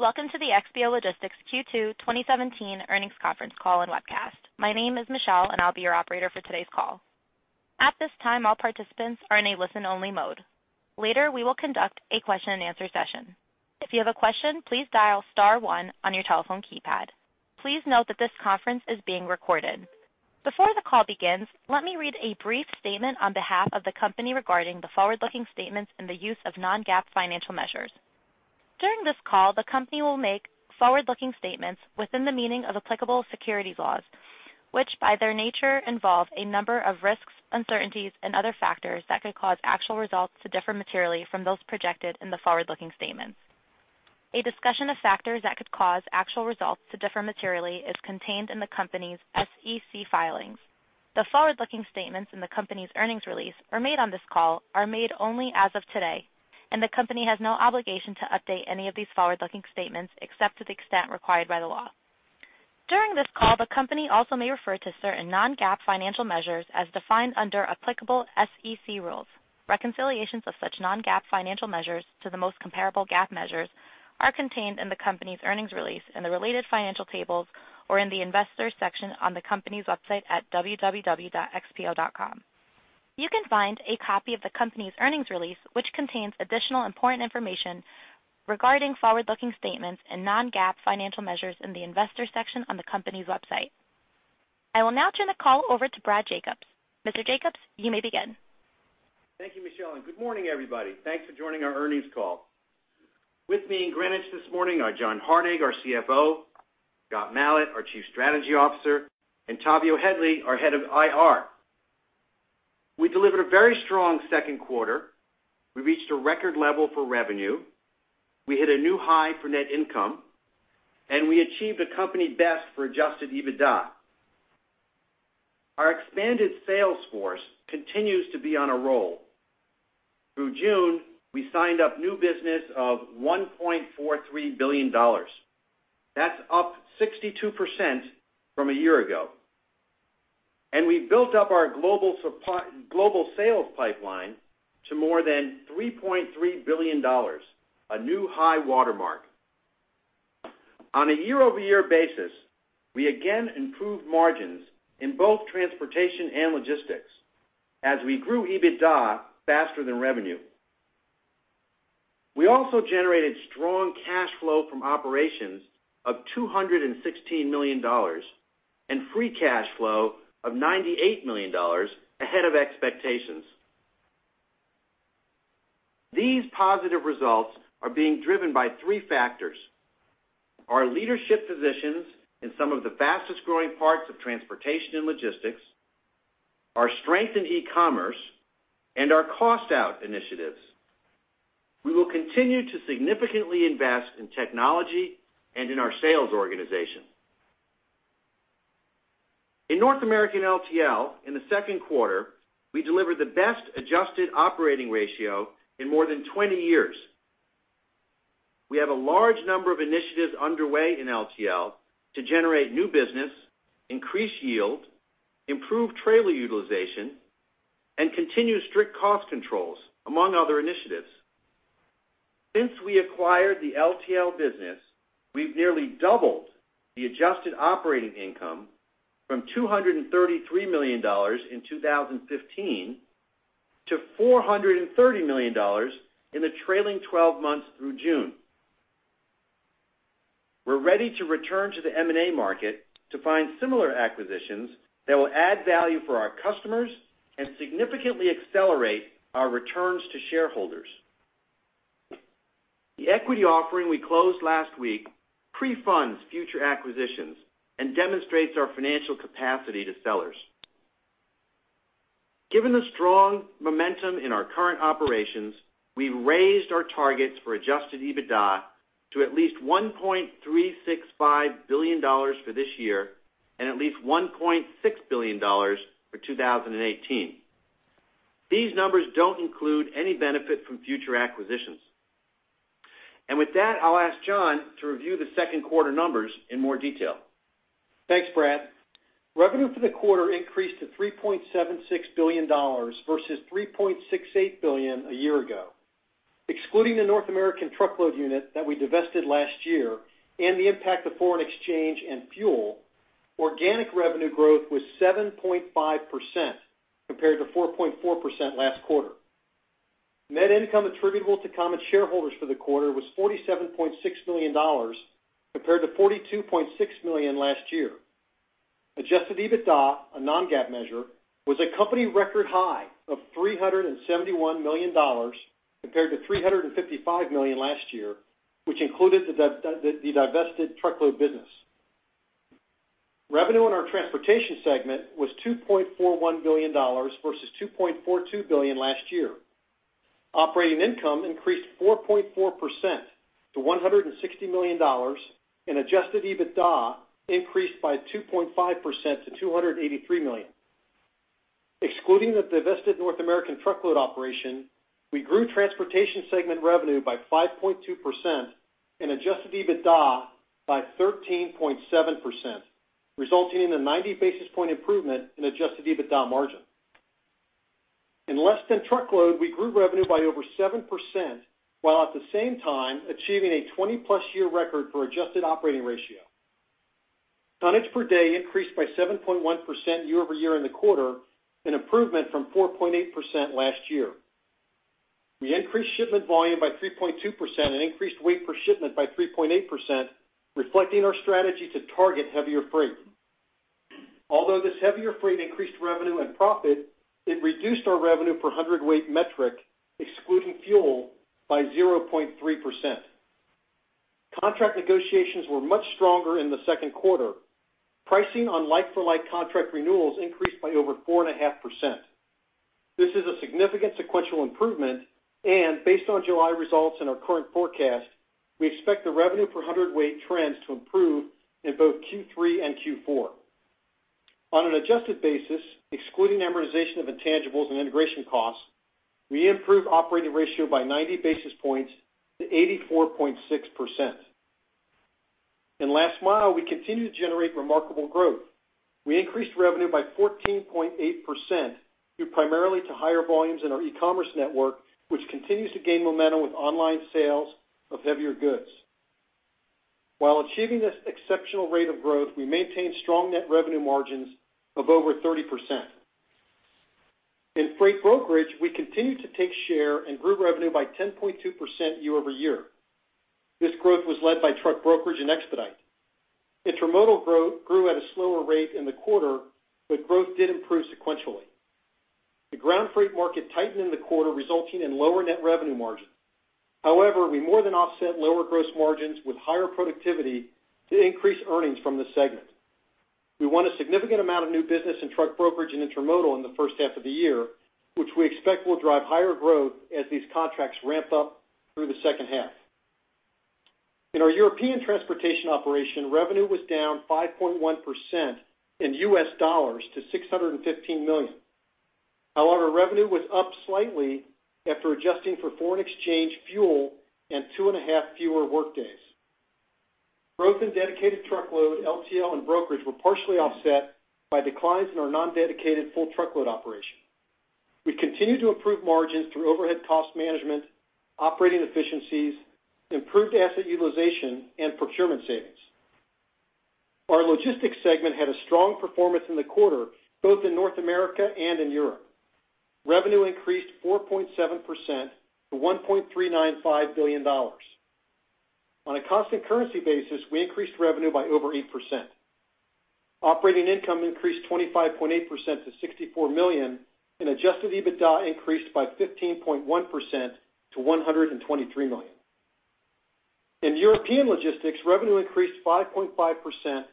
Welcome to the XPO Logistics Q2 2017 Earnings Conference Call and Webcast. My name is Michelle, and I'll be your operator for today's call. At this time, all participants are in a listen-only mode. Later, we will conduct a question-and-answer session. If you have a question, please dial star one on your telephone keypad. Please note that this conference is being recorded. Before the call begins, let me read a brief statement on behalf of the company regarding the forward-looking statements and the use of non-GAAP financial measures. During this call, the company will make forward-looking statements within the meaning of applicable securities laws, which, by their nature, involve a number of risks, uncertainties, and other factors that could cause actual results to differ materially from those projected in the forward-looking statements. A discussion of factors that could cause actual results to differ materially is contained in the company's SEC filings. The forward-looking statements in the company's earnings release are made on this call are made only as of today, and the company has no obligation to update any of these forward-looking statements, except to the extent required by the law. During this call, the company also may refer to certain non-GAAP financial measures as defined under applicable SEC rules. Reconciliations of such non-GAAP financial measures to the most comparable GAAP measures are contained in the company's earnings release, in the related financial tables, or in the Investors section on the company's website at www.xpo.com. You can find a copy of the company's earnings release, which contains additional important information regarding forward-looking statements and non-GAAP financial measures in the Investors section on the company's website. I will now turn the call over to Brad Jacobs. Mr. Jacobs, you may begin. Thank you, Michelle, and good morning, everybody. Thanks for joining our earnings call. With me in Greenwich this morning are John Hardig, our CFO; Scott Malat, our Chief Strategy Officer; and Tavio Headley, our Head of IR. We delivered a very strong second quarter. We reached a record level for revenue. We hit a new high for net income, and we achieved a company best for adjusted EBITDA. Our expanded sales force continues to be on a roll. Through June, we signed up new business of $1.43 billion. That's up 62% from a year ago, and we built up our global sales pipeline to more than $3.3 billion, a new high watermark. On a year-over-year basis, we again improved margins in both transportation and logistics as we grew EBITDA faster than revenue. We also generated strong cash flow from operations of $216 million, and free cash flow of $98 million ahead of expectations. These positive results are being driven by 3 factors: our leadership positions in some of the fastest-growing parts of transportation and logistics, our strength in e-commerce, and our cost-out initiatives. We will continue to significantly invest in technology and in our sales organization. In North American LTL, in the second quarter, we delivered the best adjusted operating ratio in more than 20 years. We have a large number of initiatives underway in LTL to generate new business, increase yield, improve trailer utilization, and continue strict cost controls, among other initiatives. Since we acquired the LTL business, we've nearly doubled the adjusted operating income from $233 million in 2015 to $430 million in the trailing twelve months through June. We're ready to return to the M&A market to find similar acquisitions that will add value for our customers and significantly accelerate our returns to shareholders. The equity offering we closed last week pre-funds future acquisitions and demonstrates our financial capacity to sellers. Given the strong momentum in our current operations, we've raised our targets for adjusted EBITDA to at least $1.365 billion for this year and at least $1.6 billion for 2018. These numbers don't include any benefit from future acquisitions. With that, I'll ask John to review the second quarter numbers in more detail. Thanks, Brad. Revenue for the quarter increased to $3.76 billion versus $3.68 billion a year ago. Excluding the North American truckload unit that we divested last year and the impact of foreign exchange and fuel, organic revenue growth was 7.5%, compared to 4.4% last quarter. Net income attributable to common shareholders for the quarter was $47.6 million, compared to $42.6 million last year. Adjusted EBITDA, a non-GAAP measure, was a company record high of $371 million, compared to $355 million last year, which included the divested truckload business. Revenue in our transportation segment was $2.41 billion versus $2.42 billion last year. Operating income increased 4.4% to $160 million, and adjusted EBITDA increased by 2.5% to $283 million. Excluding the divested North American truckload operation, we grew transportation segment revenue by 5.2% and adjusted EBITDA by 13.7%, resulting in a 90 basis point improvement in adjusted EBITDA margin.... In less-than-truckload, we grew revenue by over 7%, while at the same time achieving a 20+-year record for adjusted operating ratio. Tons per day increased by 7.1% year-over-year in the quarter, an improvement from 4.8% last year. We increased shipment volume by 3.2% and increased weight per shipment by 3.8%, reflecting our strategy to target heavier freight. Although this heavier freight increased revenue and profit, it reduced our revenue per hundredweight metric, excluding fuel, by 0.3%. Contract negotiations were much stronger in the second quarter. Pricing on like-for-like contract renewals increased by over 4.5%. This is a significant sequential improvement, and based on July results and our current forecast, we expect the revenue per hundredweight trends to improve in both Q3 and Q4. On an adjusted basis, excluding amortization of intangibles and integration costs, we improved operating ratio by 90 basis points to 84.6%. In last mile, we continue to generate remarkable growth. We increased revenue by 14.8%, due primarily to higher volumes in our e-commerce network, which continues to gain momentum with online sales of heavier goods. While achieving this exceptional rate of growth, we maintained strong net revenue margins of over 30%. In freight brokerage, we continued to take share and grew revenue by 10.2% year-over-year. This growth was led by truck brokerage and expedite. Intermodal growth grew at a slower rate in the quarter, but growth did improve sequentially. The ground freight market tightened in the quarter, resulting in lower net revenue margin. However, we more than offset lower gross margins with higher productivity to increase earnings from this segment. We won a significant amount of new business in truck brokerage and Intermodal in the first half of the year, which we expect will drive higher growth as these contracts ramp up through the second half. In our European transportation operation, revenue was down 5.1% in US dollars to $615 million. However, revenue was up slightly after adjusting for foreign exchange, fuel, and 2.5 fewer workdays. Growth in dedicated truckload, LTL, and brokerage were partially offset by declines in our non-dedicated full truckload operation. We continued to improve margins through overhead cost management, operating efficiencies, improved asset utilization, and procurement savings. Our logistics segment had a strong performance in the quarter, both in North America and in Europe. Revenue increased 4.7% to $1.395 billion. On a constant currency basis, we increased revenue by over 8%. Operating income increased 25.8% to $64 million, and adjusted EBITDA increased by 15.1% to $123 million. In European logistics, revenue increased 5.5% to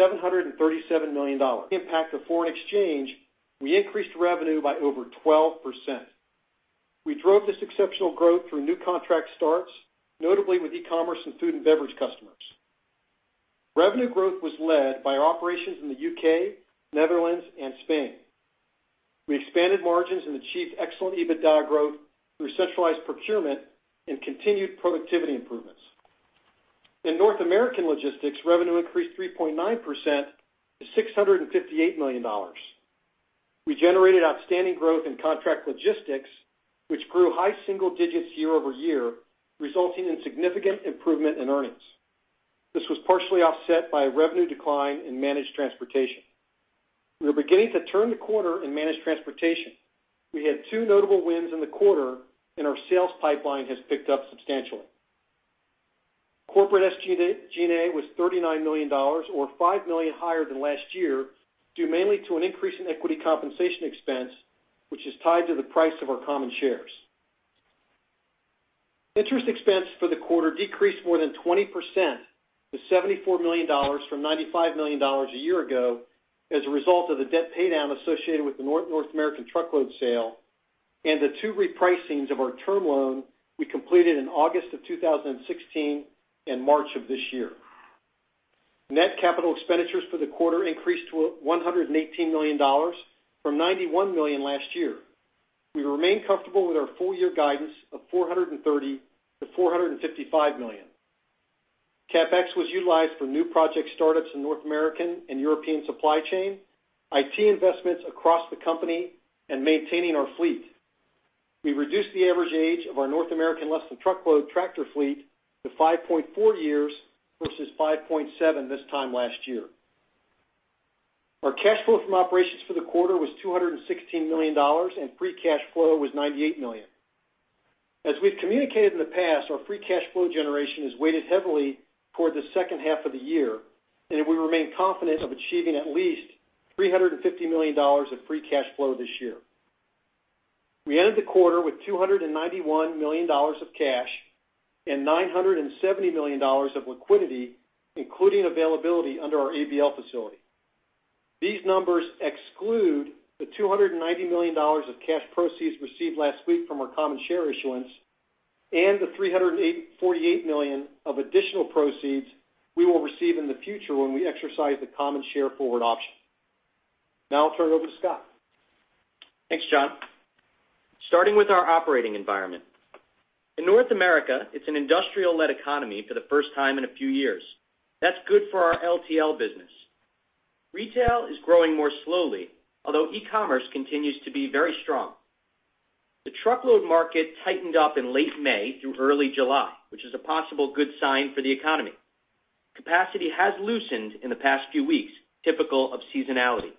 $737 million. Impact of foreign exchange, we increased revenue by over 12%. We drove this exceptional growth through new contract starts, notably with e-commerce and food and beverage customers. Revenue growth was led by operations in the UK, Netherlands, and Spain. We expanded margins and achieved excellent EBITDA growth through centralized procurement and continued productivity improvements. In North American logistics, revenue increased 3.9% to $658 million. We generated outstanding growth in Contract Logistics, which grew high single digits year-over-year, resulting in significant improvement in earnings. This was partially offset by a revenue decline in Managed Transportation. We are beginning to turn the corner in Managed Transportation. We had two notable wins in the quarter, and our sales pipeline has picked up substantially. Corporate SG&A was $39 million, or $5 million higher than last year, due mainly to an increase in equity compensation expense, which is tied to the price of our common shares. Interest expense for the quarter decreased more than 20% to $74 million from $95 million a year ago as a result of the debt paydown associated with the North American truckload sale and the two repricings of our term loan we completed in August of 2016 and March of this year. Net capital expenditures for the quarter increased to $118 million from $91 million last year. We remain comfortable with our full year guidance of $430 million-$455 million. CapEx was utilized for new project startups in North American and European supply chain, IT investments across the company, and maintaining our fleet. We reduced the average age of our North American less than truckload tractor fleet to 5.4 years versus 5.7 this time last year. Our cash flow from operations for the quarter was $216 million, and free cash flow was $98 million. As we've communicated in the past, our free cash flow generation is weighted heavily toward the second half of the year, and we remain confident of achieving at least $350 million of free cash flow this year. We ended the quarter with $291 million of cash and $970 million of liquidity, including availability under our ABL facility. These numbers exclude the $290 million of cash proceeds received last week from our common share issuance and the $348 million of additional proceeds we will receive in the future when we exercise the common share forward option. Now I'll turn it over to Scott. Thanks, John. Starting with our operating environment. In North America, it's an industrial-led economy for the first time in a few years. That's good for our LTL business. Retail is growing more slowly, although e-commerce continues to be very strong. The truckload market tightened up in late May through early July, which is a possible good sign for the economy. Capacity has loosened in the past few weeks, typical of seasonality.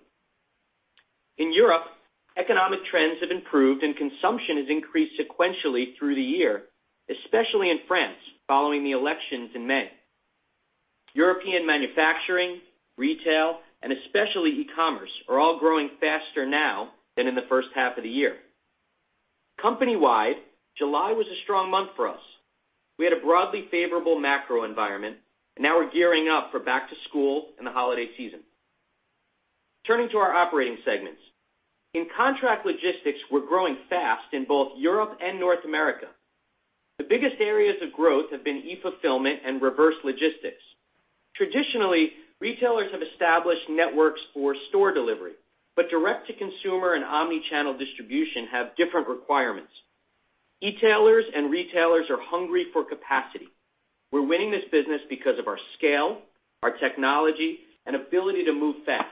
In Europe, economic trends have improved, and consumption has increased sequentially through the year, especially in France, following the elections in May. European manufacturing, retail, and especially e-commerce, are all growing faster now than in the first half of the year. Company-wide, July was a strong month for us. We had a broadly favorable macro environment, and now we're gearing up for back to school and the holiday season. Turning to our operating segments. In contract logistics, we're growing fast in both Europe and North America. The biggest areas of growth have been e-fulfillment and reverse logistics. Traditionally, retailers have established networks for store delivery, but direct-to-consumer and omni-channel distribution have different requirements. E-tailers and retailers are hungry for capacity. We're winning this business because of our scale, our technology, and ability to move fast.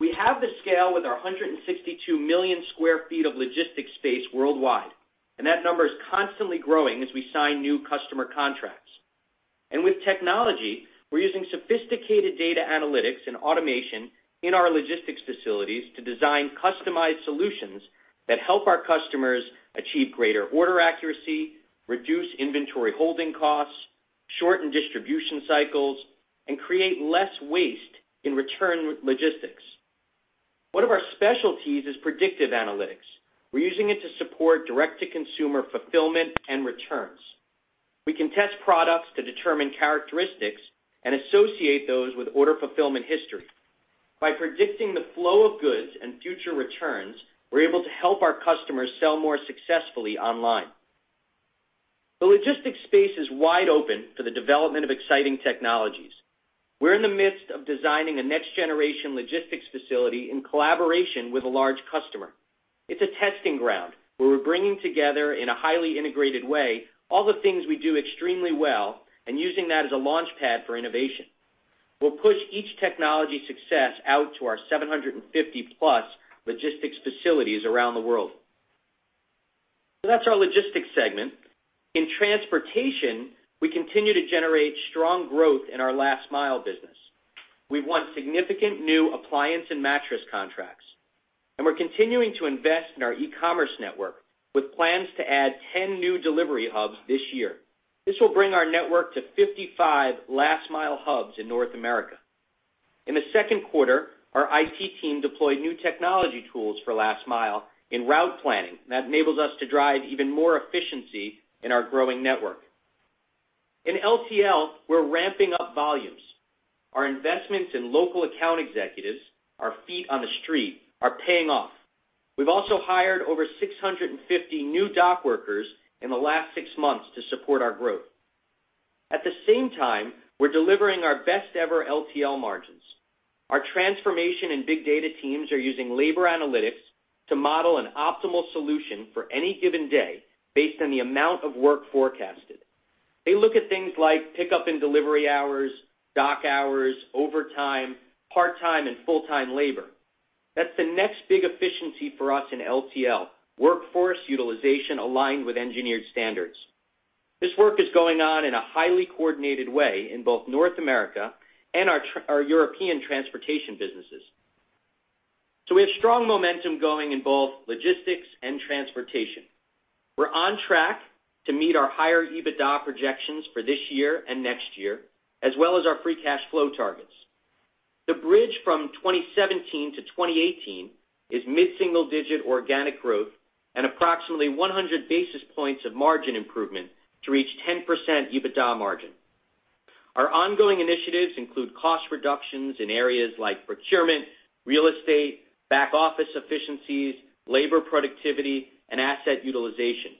We have the scale with our 162 million sq ft of logistics space worldwide, and that number is constantly growing as we sign new customer contracts. With technology, we're using sophisticated data analytics and automation in our logistics facilities to design customized solutions that help our customers achieve greater order accuracy, reduce inventory holding costs, shorten distribution cycles, and create less waste in return logistics. One of our specialties is predictive analytics. We're using it to support direct-to-consumer fulfillment and returns. We can test products to determine characteristics and associate those with order fulfillment history. By predicting the flow of goods and future returns, we're able to help our customers sell more successfully online. The logistics space is wide open for the development of exciting technologies. We're in the midst of designing a next-generation logistics facility in collaboration with a large customer. It's a testing ground, where we're bringing together, in a highly integrated way, all the things we do extremely well and using that as a launchpad for innovation. We'll push each technology success out to our 750+ logistics facilities around the world. So that's our logistics segment. In transportation, we continue to generate strong growth in our last mile business. We've won significant new appliance and mattress contracts, and we're continuing to invest in our e-commerce network, with plans to add 10 new delivery hubs this year. This will bring our network to 55 last mile hubs in North America. In the second quarter, our IT team deployed new technology tools for last mile in route planning, that enables us to drive even more efficiency in our growing network. In LTL, we're ramping up volumes. Our investments in local account executives, our feet on the street, are paying off. We've also hired over 650 new dock workers in the last six months to support our growth. At the same time, we're delivering our best ever LTL margins. Our transformation and big data teams are using labor analytics to model an optimal solution for any given day based on the amount of work forecasted. They look at things like pickup and delivery hours, dock hours, overtime, part-time, and full-time labor. That's the next big efficiency for us in LTL, workforce utilization aligned with engineered standards. This work is going on in a highly coordinated way in both North America and our European transportation businesses. So we have strong momentum going in both logistics and transportation. We're on track to meet our higher EBITDA projections for this year and next year, as well as our free cash flow targets. The bridge from 2017 to 2018 is mid-single digit organic growth and approximately 100 basis points of margin improvement to reach 10% EBITDA margin. Our ongoing initiatives include cost reductions in areas like procurement, real estate, back office efficiencies, labor productivity, and asset utilization.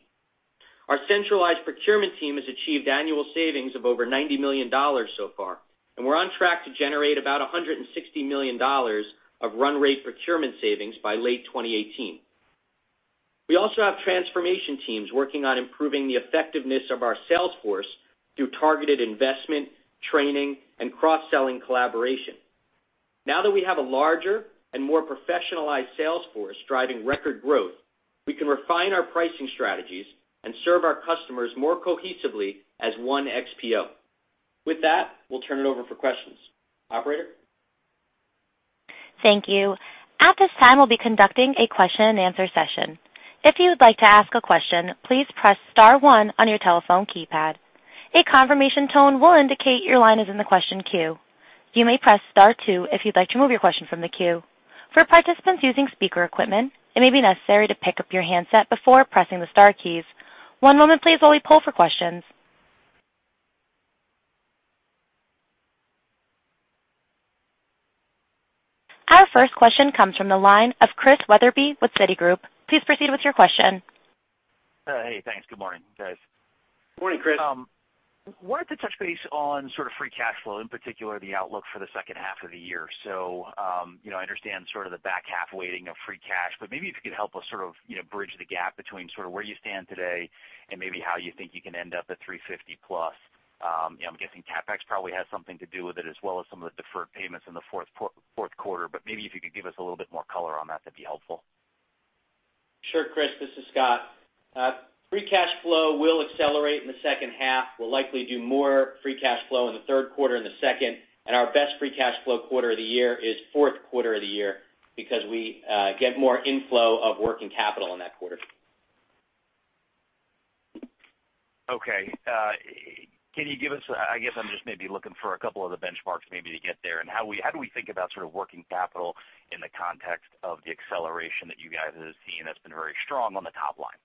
Our centralized procurement team has achieved annual savings of over $90 million so far, and we're on track to generate about $160 million of run rate procurement savings by late 2018. We also have transformation teams working on improving the effectiveness of our sales force through targeted investment, training, and cross-selling collaboration. Now that we have a larger and more professionalized sales force driving record growth, we can refine our pricing strategies and serve our customers more cohesively as one XPO. With that, we'll turn it over for questions. Operator? Thank you. At this time, we'll be conducting a question-and-answer session. If you would like to ask a question, please press star one on your telephone keypad. A confirmation tone will indicate your line is in the question queue. You may press star two if you'd like to remove your question from the queue. For participants using speaker equipment, it may be necessary to pick up your handset before pressing the star keys. One moment, please, while we poll for questions. Our first question comes from the line of Chris Wetherbee with Citigroup. Please proceed with your question. Hey, thanks. Good morning, guys.... Morning, Chris. Wanted to touch base on sort of free cash flow, in particular, the outlook for the second half of the year. So, you know, I understand sort of the back half weighting of free cash, but maybe if you could help us sort of, you know, bridge the gap between sort of where you stand today and maybe how you think you can end up at $350+. You know, I'm guessing CapEx probably has something to do with it, as well as some of the deferred payments in the fourth quarter, but maybe if you could give us a little bit more color on that, that'd be helpful. Sure, Chris, this is Scott. Free Cash Flow will accelerate in the second half. We'll likely do more Free Cash Flow in the third quarter and the second, and our best Free Cash Flow quarter of the year is fourth quarter of the year because we get more inflow of working capital in that quarter. Okay. Can you give us, I guess I'm just maybe looking for a couple of the benchmarks maybe to get there, and how do we think about sort of working capital in the context of the acceleration that you guys have seen that's been very strong on the top line?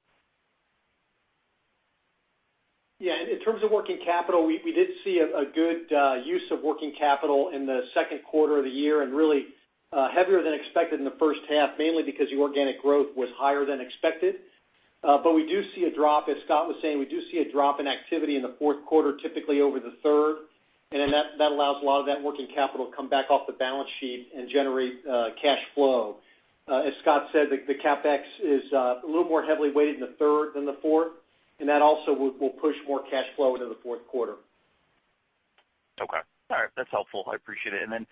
Yeah, in terms of working capital, we, we did see a, a good, use of working capital in the second quarter of the year, and really, heavier than expected in the first half, mainly because the organic growth was higher than expected. But we do see a drop, as Scott was saying, we do see a drop in activity in the fourth quarter, typically over the third. And then that, that allows a lot of that working capital to come back off the balance sheet and generate, cash flow. As Scott said, the, the CapEx is, a little more heavily weighted in the third than the fourth, and that also will, will push more cash flow into the fourth quarter. Okay. All right, that's helpful. I appreciate it. And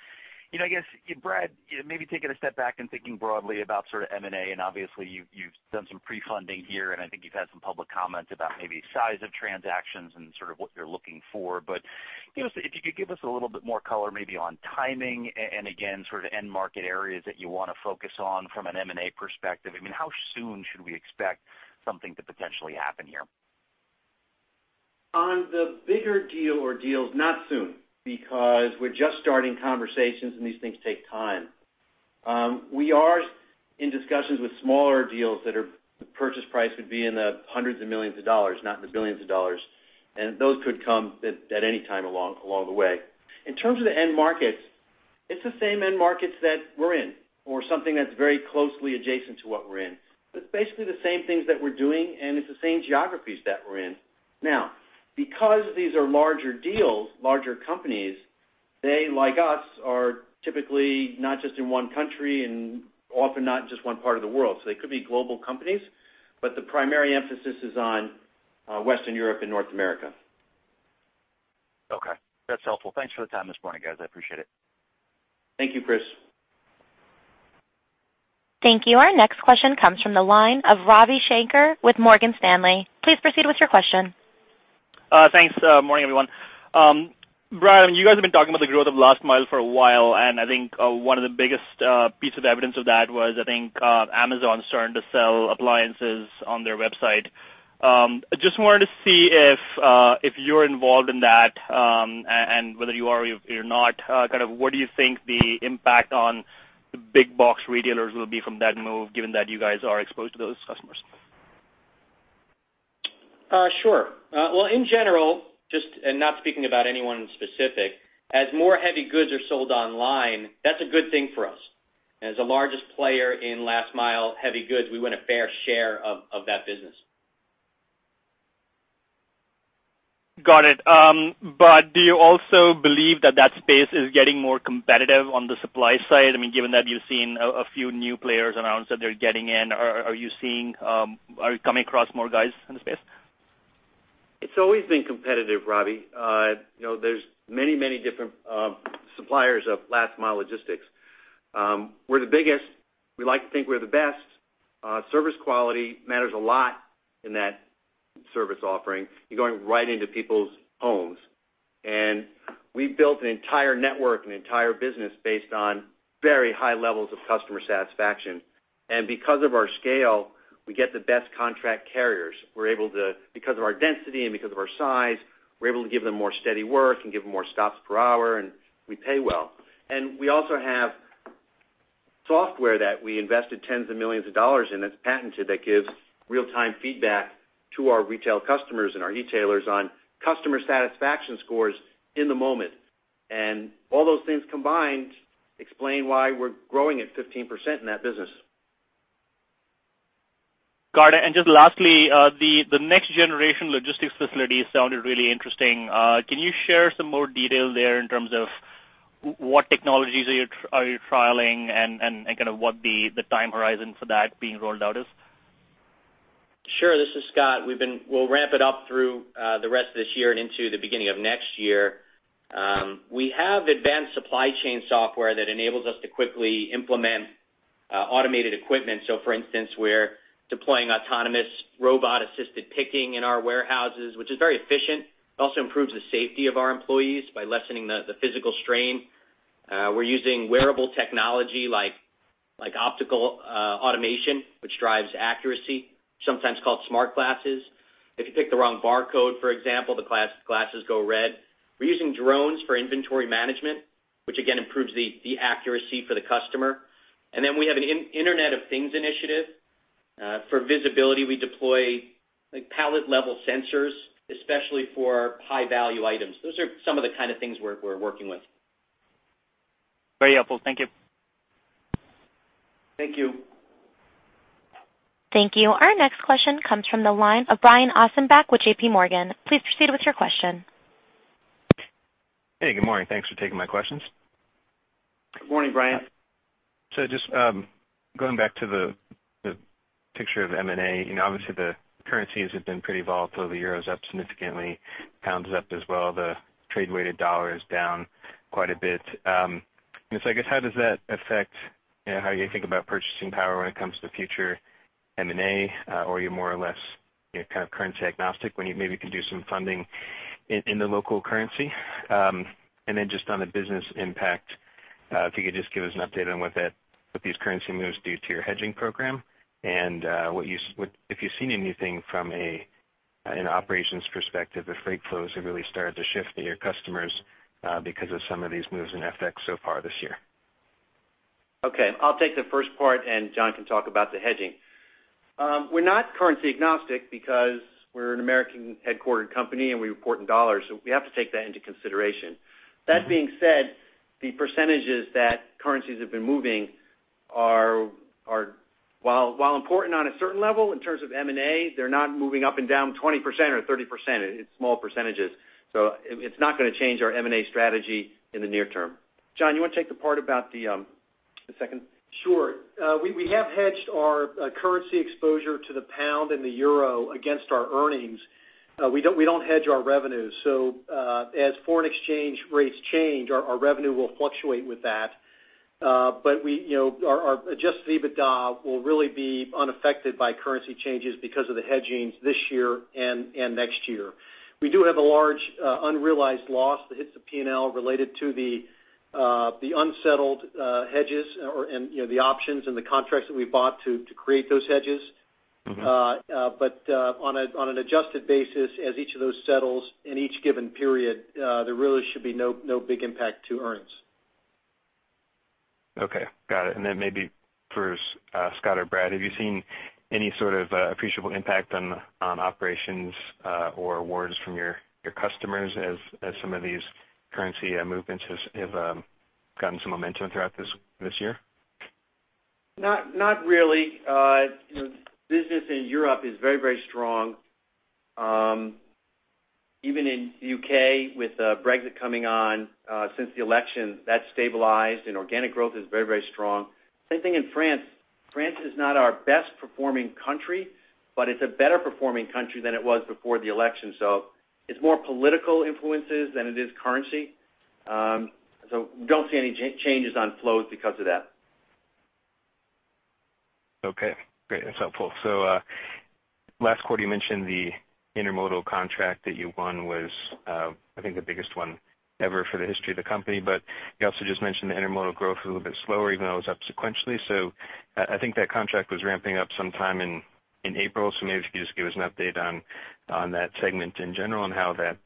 then, you know, I guess, Brad, maybe taking a step back and thinking broadly about sort of M&A, and obviously, you've, you've done some pre-funding here, and I think you've had some public comments about maybe size of transactions and sort of what you're looking for. But, you know, if you could give us a little bit more color maybe on timing, and again, sort of end market areas that you want to focus on from an M&A perspective. I mean, how soon should we expect something to potentially happen here? On the bigger deal or deals, not soon, because we're just starting conversations, and these things take time. We are in discussions with smaller deals that are the purchase price would be in the hundreds of millions of dollars, not in the billions of dollars, and those could come at any time along the way. In terms of the end markets, it's the same end markets that we're in, or something that's very closely adjacent to what we're in. It's basically the same things that we're doing, and it's the same geographies that we're in. Now, because these are larger deals, larger companies, they, like us, are typically not just in one country and often not just one part of the world. So they could be global companies, but the primary emphasis is on Western Europe and North America. Okay. That's helpful. Thanks for the time this morning, guys. I appreciate it. Thank you, Chris. Thank you. Our next question comes from the line of Ravi Shanker with Morgan Stanley. Please proceed with your question. Thanks. Morning, everyone. Brad, you guys have been talking about the growth of last mile for a while, and I think one of the biggest pieces of evidence of that was, I think, Amazon starting to sell appliances on their website. I just wanted to see if you're involved in that, and whether you are or you're not, kind of what do you think the impact on the big box retailers will be from that move, given that you guys are exposed to those customers? Sure. Well, in general, just, and not speaking about anyone in specific, as more heavy goods are sold online, that's a good thing for us. As the largest player in last mile heavy goods, we want a fair share of, of that business. Got it. But do you also believe that that space is getting more competitive on the supply side? I mean, given that you've seen a few new players announce that they're getting in, are you seeing, are you coming across more guys in the space? It's always been competitive, Ravi. You know, there's many, many different suppliers of last mile logistics. We're the biggest. We like to think we're the best. Service quality matters a lot in that service offering. You're going right into people's homes. And we've built an entire network, an entire business, based on very high levels of customer satisfaction. And because of our scale, we get the best contract carriers. We're able to, because of our density and because of our size, we're able to give them more steady work and give them more stops per hour, and we pay well. And we also have software that we invested tens of millions of dollars in, that's patented, that gives real-time feedback to our retail customers and our e-tailers on customer satisfaction scores in the moment. All those things combined explain why we're growing at 15% in that business. Got it. And just lastly, the next generation logistics facility sounded really interesting. Can you share some more detail there in terms of what technologies are you trialing, and kind of what the time horizon for that being rolled out is? Sure, this is Scott. We've been -- we'll ramp it up through the rest of this year and into the beginning of next year. We have advanced supply chain software that enables us to quickly implement automated equipment. So for instance, we're deploying autonomous robot-assisted picking in our warehouses, which is very efficient. It also improves the safety of our employees by lessening the physical strain. We're using wearable technology like optical automation, which drives accuracy, sometimes called smart glasses. If you pick the wrong barcode, for example, the glasses go red. We're using drones for inventory management, which again, improves the accuracy for the customer. And then we have an Internet of Things initiative. For visibility, we deploy like pallet-level sensors, especially for high-value items. Those are some of the kind of things we're working with. Very helpful. Thank you.... Thank you. Thank you. Our next question comes from the line of Brian Ossenbeck with J.P. Morgan. Please proceed with your question. Hey, good morning. Thanks for taking my questions. Good morning, Brian. So just going back to the picture of M&A, you know, obviously, the currencies have been pretty volatile. The euro is up significantly, pound is up as well. The trade-weighted dollar is down quite a bit. And so I guess, how does that affect, you know, how you think about purchasing power when it comes to future M&A, or are you more or less, you know, kind of currency agnostic when you maybe can do some funding in the local currency? And then just on the business impact, if you could just give us an update on what that, what these currency moves do to your hedging program, and if you've seen anything from an operations perspective, if freight flows have really started to shift to your customers because of some of these moves in FX so far this year. Okay, I'll take the first part, and John can talk about the hedging. We're not currency agnostic because we're an American-headquartered company, and we report in dollars, so we have to take that into consideration. That being said, the percentages that currencies have been moving are while important on a certain level in terms of M&A, they're not moving up and down 20% or 30%. It's small percentages. So it's not gonna change our M&A strategy in the near term. John, you wanna take the part about the second? Sure. We have hedged our currency exposure to the pound and the euro against our earnings. We don't hedge our revenues. So, as foreign exchange rates change, our revenue will fluctuate with that. But we, you know, our adjusted EBITDA will really be unaffected by currency changes because of the hedgings this year and next year. We do have a large unrealized loss that hits the P&L related to the unsettled hedges or, and, you know, the options and the contracts that we bought to create those hedges. Mm-hmm. But, on an adjusted basis, as each of those settles in each given period, there really should be no big impact to earnings. Okay, got it. And then maybe for Scott or Brad, have you seen any sort of appreciable impact on operations or awards from your customers as some of these currency movements have gotten some momentum throughout this year? Not, not really. You know, business in Europe is very, very strong. Even in U.K., with Brexit coming on, since the election, that's stabilized, and organic growth is very, very strong. Same thing in France. France is not our best performing country, but it's a better performing country than it was before the election. So it's more political influences than it is currency. So we don't see any changes on flows because of that. Okay, great. That's helpful. So, last quarter, you mentioned the intermodal contract that you won was, I think the biggest one ever for the history of the company. But you also just mentioned the intermodal growth was a little bit slower, even though it was up sequentially. So I, I think that contract was ramping up sometime in April. So maybe if you could just give us an update on that segment in general and how that,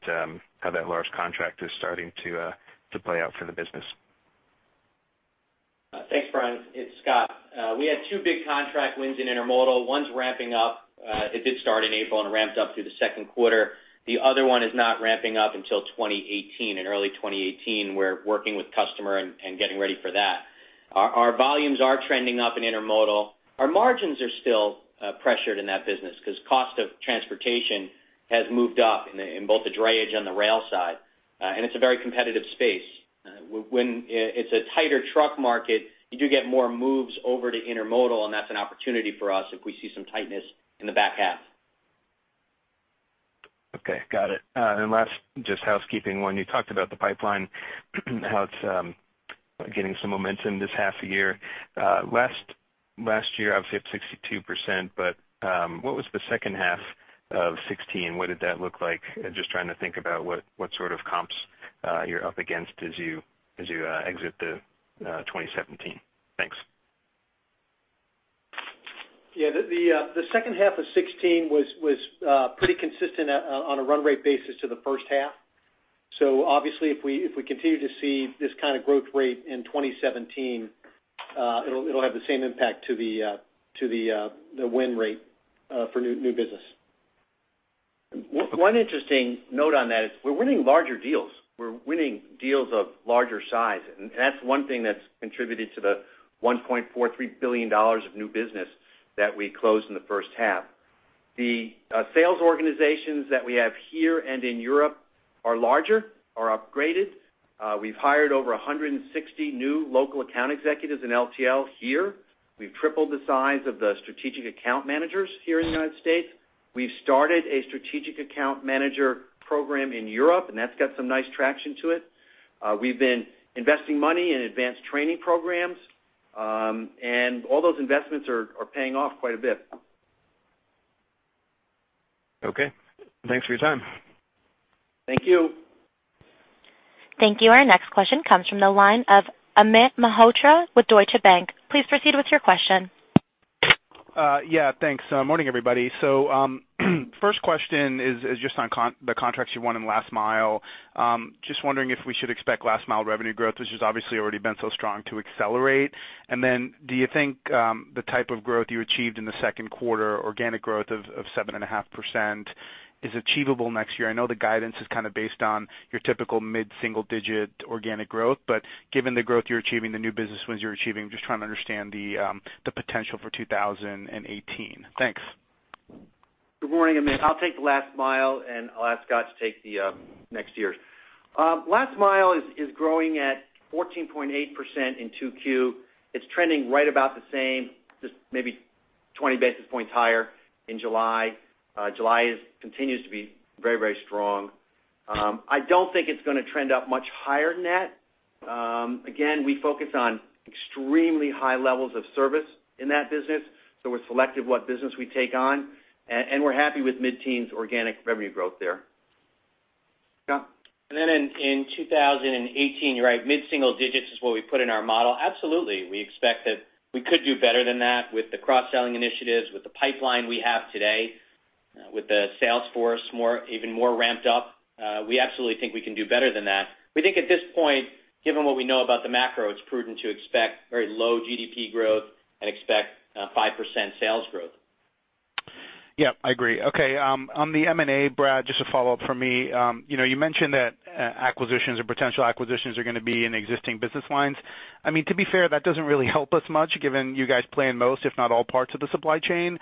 how that large contract is starting to, to play out for the business. Thanks, Brian. It's Scott. We had two big contract wins in intermodal. One's ramping up. It did start in April and ramps up through the second quarter. The other one is not ramping up until 2018, in early 2018. We're working with customer and getting ready for that. Our volumes are trending up in intermodal. Our margins are still pressured in that business because cost of transportation has moved up in both the drayage and the rail side, and it's a very competitive space. When it's a tighter truck market, you do get more moves over to intermodal, and that's an opportunity for us if we see some tightness in the back half. Okay, got it. And last, just housekeeping one. You talked about the pipeline, how it's getting some momentum this half a year. Last year, obviously, up 62%, but what was the second half of 2016? What did that look like? Just trying to think about what sort of comps you're up against as you exit 2017. Thanks. Yeah, the second half of 2016 was pretty consistent, on a run rate basis, to the first half. So obviously, if we continue to see this kind of growth rate in 2017, it'll have the same impact to the win rate for new business. One interesting note on that is we're winning larger deals. We're winning deals of larger size, and that's one thing that's contributed to the $1.43 billion of new business that we closed in the first half. The sales organizations that we have here and in Europe are larger, are upgraded. We've hired over 160 new local account executives in LTL here. We've tripled the size of the strategic account managers here in the United States. We've started a strategic account manager program in Europe, and that's got some nice traction to it. We've been investing money in advanced training programs, and all those investments are paying off quite a bit. Okay. Thanks for your time. Thank you. Thank you. Our next question comes from the line of Amit Mehrotra with Deutsche Bank. Please proceed with your question. Yeah, thanks. Morning, everybody. First question is just on the contracts you won in last mile. Just wondering if we should expect last mile revenue growth, which has obviously already been so strong, to accelerate? And then do you think the type of growth you achieved in the second quarter, organic growth of 7.5%, is achievable next year? I know the guidance is kind of based on your typical mid-single digit organic growth, but given the growth you're achieving, the new business wins you're achieving, just trying to understand the potential for 2018. Thanks.... Good morning, Amit. I'll take the last mile, and I'll ask Scott to take the next year's. Last mile is growing at 14.8% in 2Q. It's trending right about the same, just maybe 20 basis points higher in July. July continues to be very, very strong. I don't think it's gonna trend up much higher than that. Again, we focus on extremely high levels of service in that business, so we're selective what business we take on, and we're happy with mid-teens organic revenue growth there. John? And then in 2018, you're right, mid-single digits is what we put in our model. Absolutely, we expect that we could do better than that with the cross-selling initiatives, with the pipeline we have today, with the sales force more, even more ramped up. We absolutely think we can do better than that. We think at this point, given what we know about the macro, it's prudent to expect very low GDP growth and expect 5% sales growth. Yep, I agree. Okay, on the M&A, Brad, just a follow-up for me. You know, you mentioned that acquisitions or potential acquisitions are gonna be in existing business lines. I mean, to be fair, that doesn't really help us much, given you guys play in most, if not all, parts of the supply chain.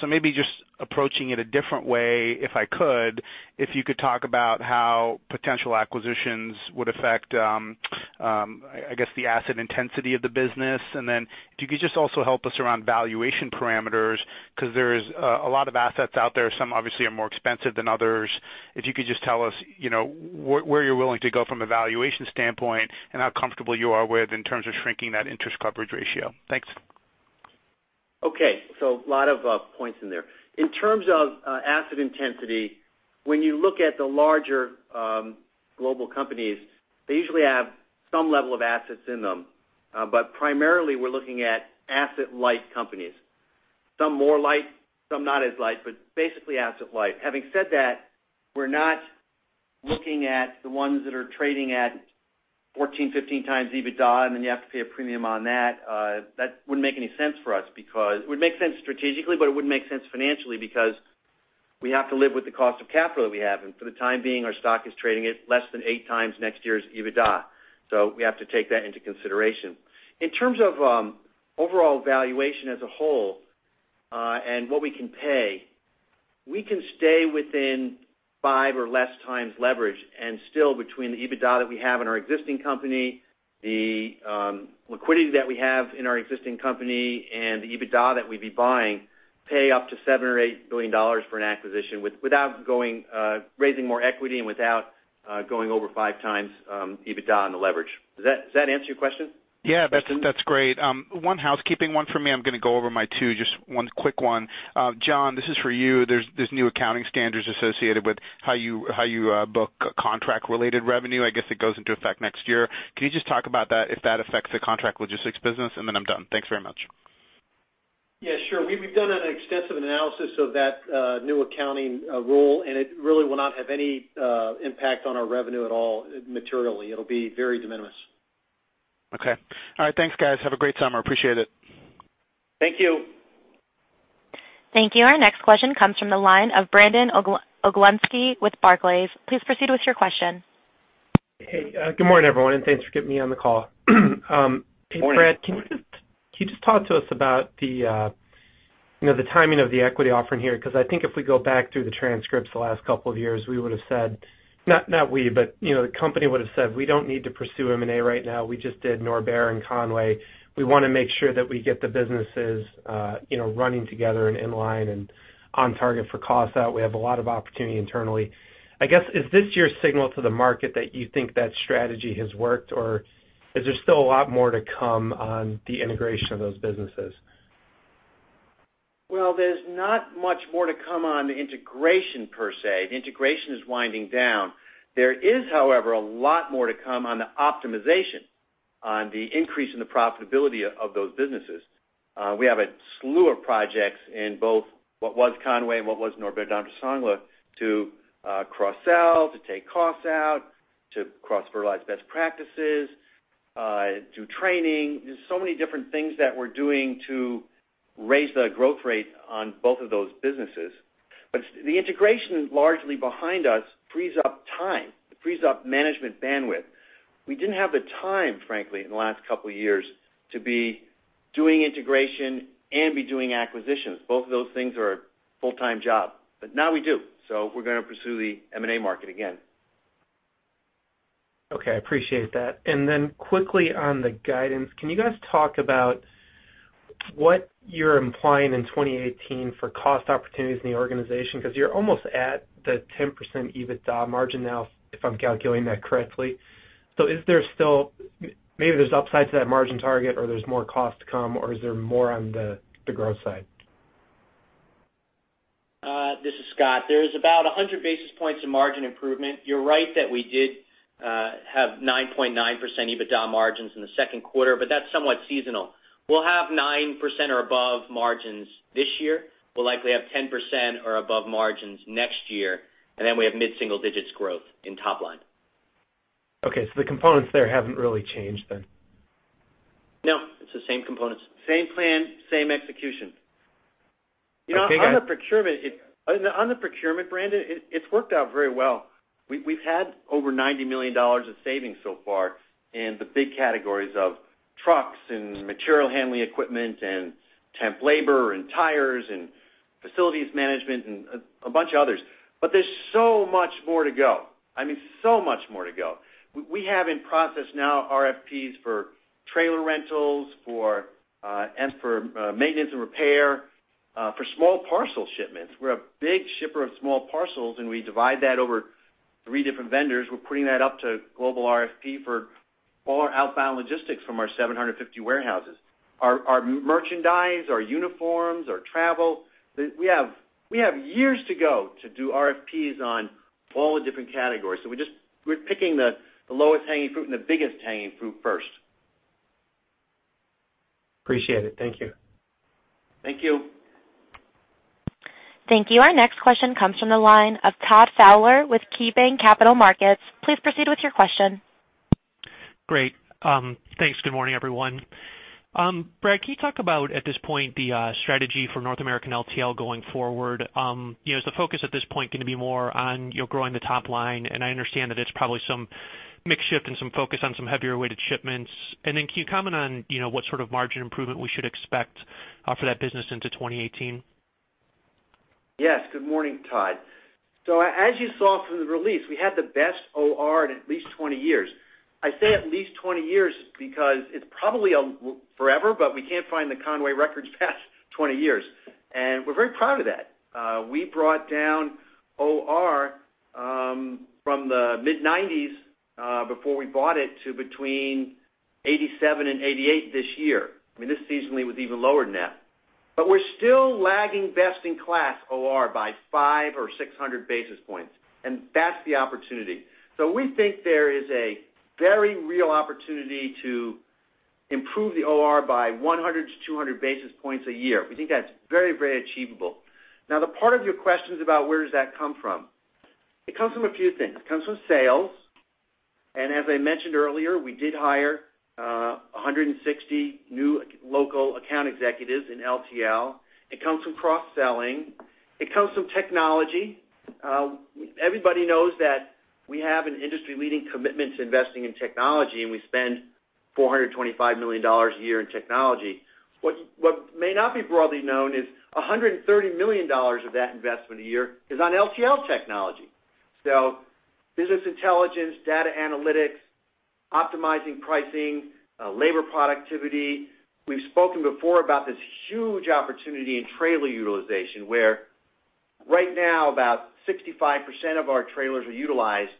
So maybe just approaching it a different way, if I could, if you could talk about how potential acquisitions would affect, I guess, the asset intensity of the business. And then if you could just also help us around valuation parameters, because there's a lot of assets out there, some obviously are more expensive than others. If you could just tell us, you know, where you're willing to go from a valuation standpoint and how comfortable you are with in terms of shrinking that interest coverage ratio? Thanks. Okay, so a lot of points in there. In terms of asset intensity, when you look at the larger global companies, they usually have some level of assets in them. But primarily, we're looking at asset-light companies, some more light, some not as light, but basically asset light. Having said that, we're not looking at the ones that are trading at 14, 15 times EBITDA, and then you have to pay a premium on that. That wouldn't make any sense for us because... It would make sense strategically, but it wouldn't make sense financially because we have to live with the cost of capital that we have. And for the time being, our stock is trading at less than 8 times next year's EBITDA, so we have to take that into consideration. In terms of, overall valuation as a whole, and what we can pay, we can stay within 5 or less times leverage, and still, between the EBITDA that we have in our existing company, the, liquidity that we have in our existing company and the EBITDA that we'd be buying, pay up to $7 billion-$8 billion for an acquisition with- without going, raising more equity and without, going over 5 times, EBITDA on the leverage. Does that, does that answer your question? Yeah, that's great. One housekeeping, one for me. I'm gonna go over my two, just one quick one. John, this is for you. There's new accounting standards associated with how you book contract-related revenue. I guess it goes into effect next year. Can you just talk about that, if that affects the contract logistics business? And then I'm done. Thanks very much. Yeah, sure. We've done an extensive analysis of that new accounting rule, and it really will not have any impact on our revenue at all, materially. It'll be very de minimis. Okay. All right. Thanks, guys. Have a great summer. Appreciate it. Thank you. Thank you. Our next question comes from the line of Brandon Oglenski with Barclays. Please proceed with your question. Hey, good morning, everyone, and thanks for getting me on the call. Good morning. Brad, can you just, can you just talk to us about the, you know, the timing of the equity offering here? Because I think if we go back through the transcripts the last couple of years, we would have said, not, not we, but, you know, the company would have said, "We don't need to pursue M&A right now. We just did Norbert and Con-way. We want to make sure that we get the businesses, you know, running together and in line and on target for costs out. We have a lot of opportunity internally." I guess, is this your signal to the market that you think that strategy has worked, or is there still a lot more to come on the integration of those businesses? Well, there's not much more to come on the integration per se. The integration is winding down. There is, however, a lot more to come on the optimization, on the increase in the profitability of, of those businesses. We have a slew of projects in both what was Con-way and what was Norbert Dentressangle, to, cross-sell, to take costs out, to cross-fertilize best practices, do training. There's so many different things that we're doing to raise the growth rate on both of those businesses. But the integration largely behind us, frees up time, it frees up management bandwidth. We didn't have the time, frankly, in the last couple of years to be doing integration and be doing acquisitions. Both of those things are a full-time job, but now we do, so we're gonna pursue the M&A market again. Okay, I appreciate that. Then quickly on the guidance, can you guys talk about what you're implying in 2018 for cost opportunities in the organization? Because you're almost at the 10% EBITDA margin now, if I'm calculating that correctly. So is there still... Maybe there's upside to that margin target, or there's more cost to come, or is there more on the, the growth side? This is Scott. There is about 100 basis points of margin improvement. You're right that we did have 9.9% EBITDA margins in the second quarter, but that's somewhat seasonal. We'll have 9% or above margins this year. We'll likely have 10% or above margins next year, and then we have mid-single digits growth in top line. Okay, so the components there haven't really changed then? No, it's the same components. Same plan, same execution. Okay, guys- You know, on the procurement, Brandon, it's worked out very well. We've had over $90 million in savings so far in the big categories of trucks and material handling equipment and temp labor and tires and facilities management and a bunch of others. But there's so much more to go. I mean, so much more to go. We have in process now RFPs for trailer rentals, maintenance and repair, for small parcel shipments. We're a big shipper of small parcels, and we divide that over 3 different vendors. We're putting that up to global RFP for all our outbound logistics from our 750 warehouses. Our merchandise, our uniforms, our travel. We have years to go to do RFPs on all the different categories. We just, we're picking the lowest hanging fruit and the biggest hanging fruit first. Appreciate it. Thank you. Thank you. Thank you. Our next question comes from the line of Todd Fowler with KeyBanc Capital Markets. Please proceed with your question. Great. Thanks. Good morning, everyone. Brad, can you talk about, at this point, the strategy for North American LTL going forward? You know, is the focus at this point gonna be more on, you know, growing the top line? And I understand that it's probably some mix shift and some focus on some heavier weighted shipments. And then can you comment on, you know, what sort of margin improvement we should expect for that business into 2018? Yes, good morning, Todd. So as you saw from the release, we had the best OR in at least 20 years. I say at least 20 years because it's probably forever, but we can't find the Con-way records past 20 years, and we're very proud of that. We brought down OR from the mid-90s before we bought it, to between 87 and 88 this year. I mean, this seasonally was even lower than that. But we're still lagging best-in-class OR by 500 or 600 basis points, and that's the opportunity. So we think there is a very real opportunity to improve the OR by 100-200 basis points a year. We think that's very, very achievable. Now, the part of your question is about where does that come from? It comes from a few things. It comes from sales, and as I mentioned earlier, we did hire 160 new local account executives in LTL. It comes from cross-selling. It comes from technology. Everybody knows that we have an industry-leading commitment to investing in technology, and we spend $425 million a year in technology. What, what may not be broadly known is $130 million of that investment a year is on LTL technology. So business intelligence, data analytics, optimizing pricing, labor productivity. We've spoken before about this huge opportunity in trailer utilization, where right now, about 65% of our trailers are utilized,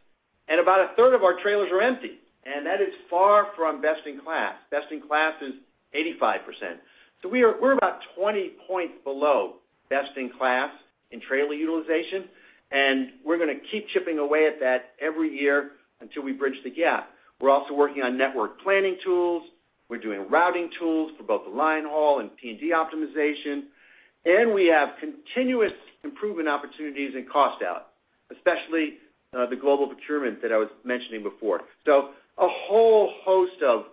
and about a third of our trailers are empty, and that is far from best in class. Best in class is 85%. So we're about 20 points below best in class in trailer utilization, and we're gonna keep chipping away at that every year until we bridge the gap. We're also working on network planning tools. We're doing routing tools for both the line haul and P&D optimization. And we have continuous improvement opportunities in cost out, especially the global procurement that I was mentioning before. So a whole host of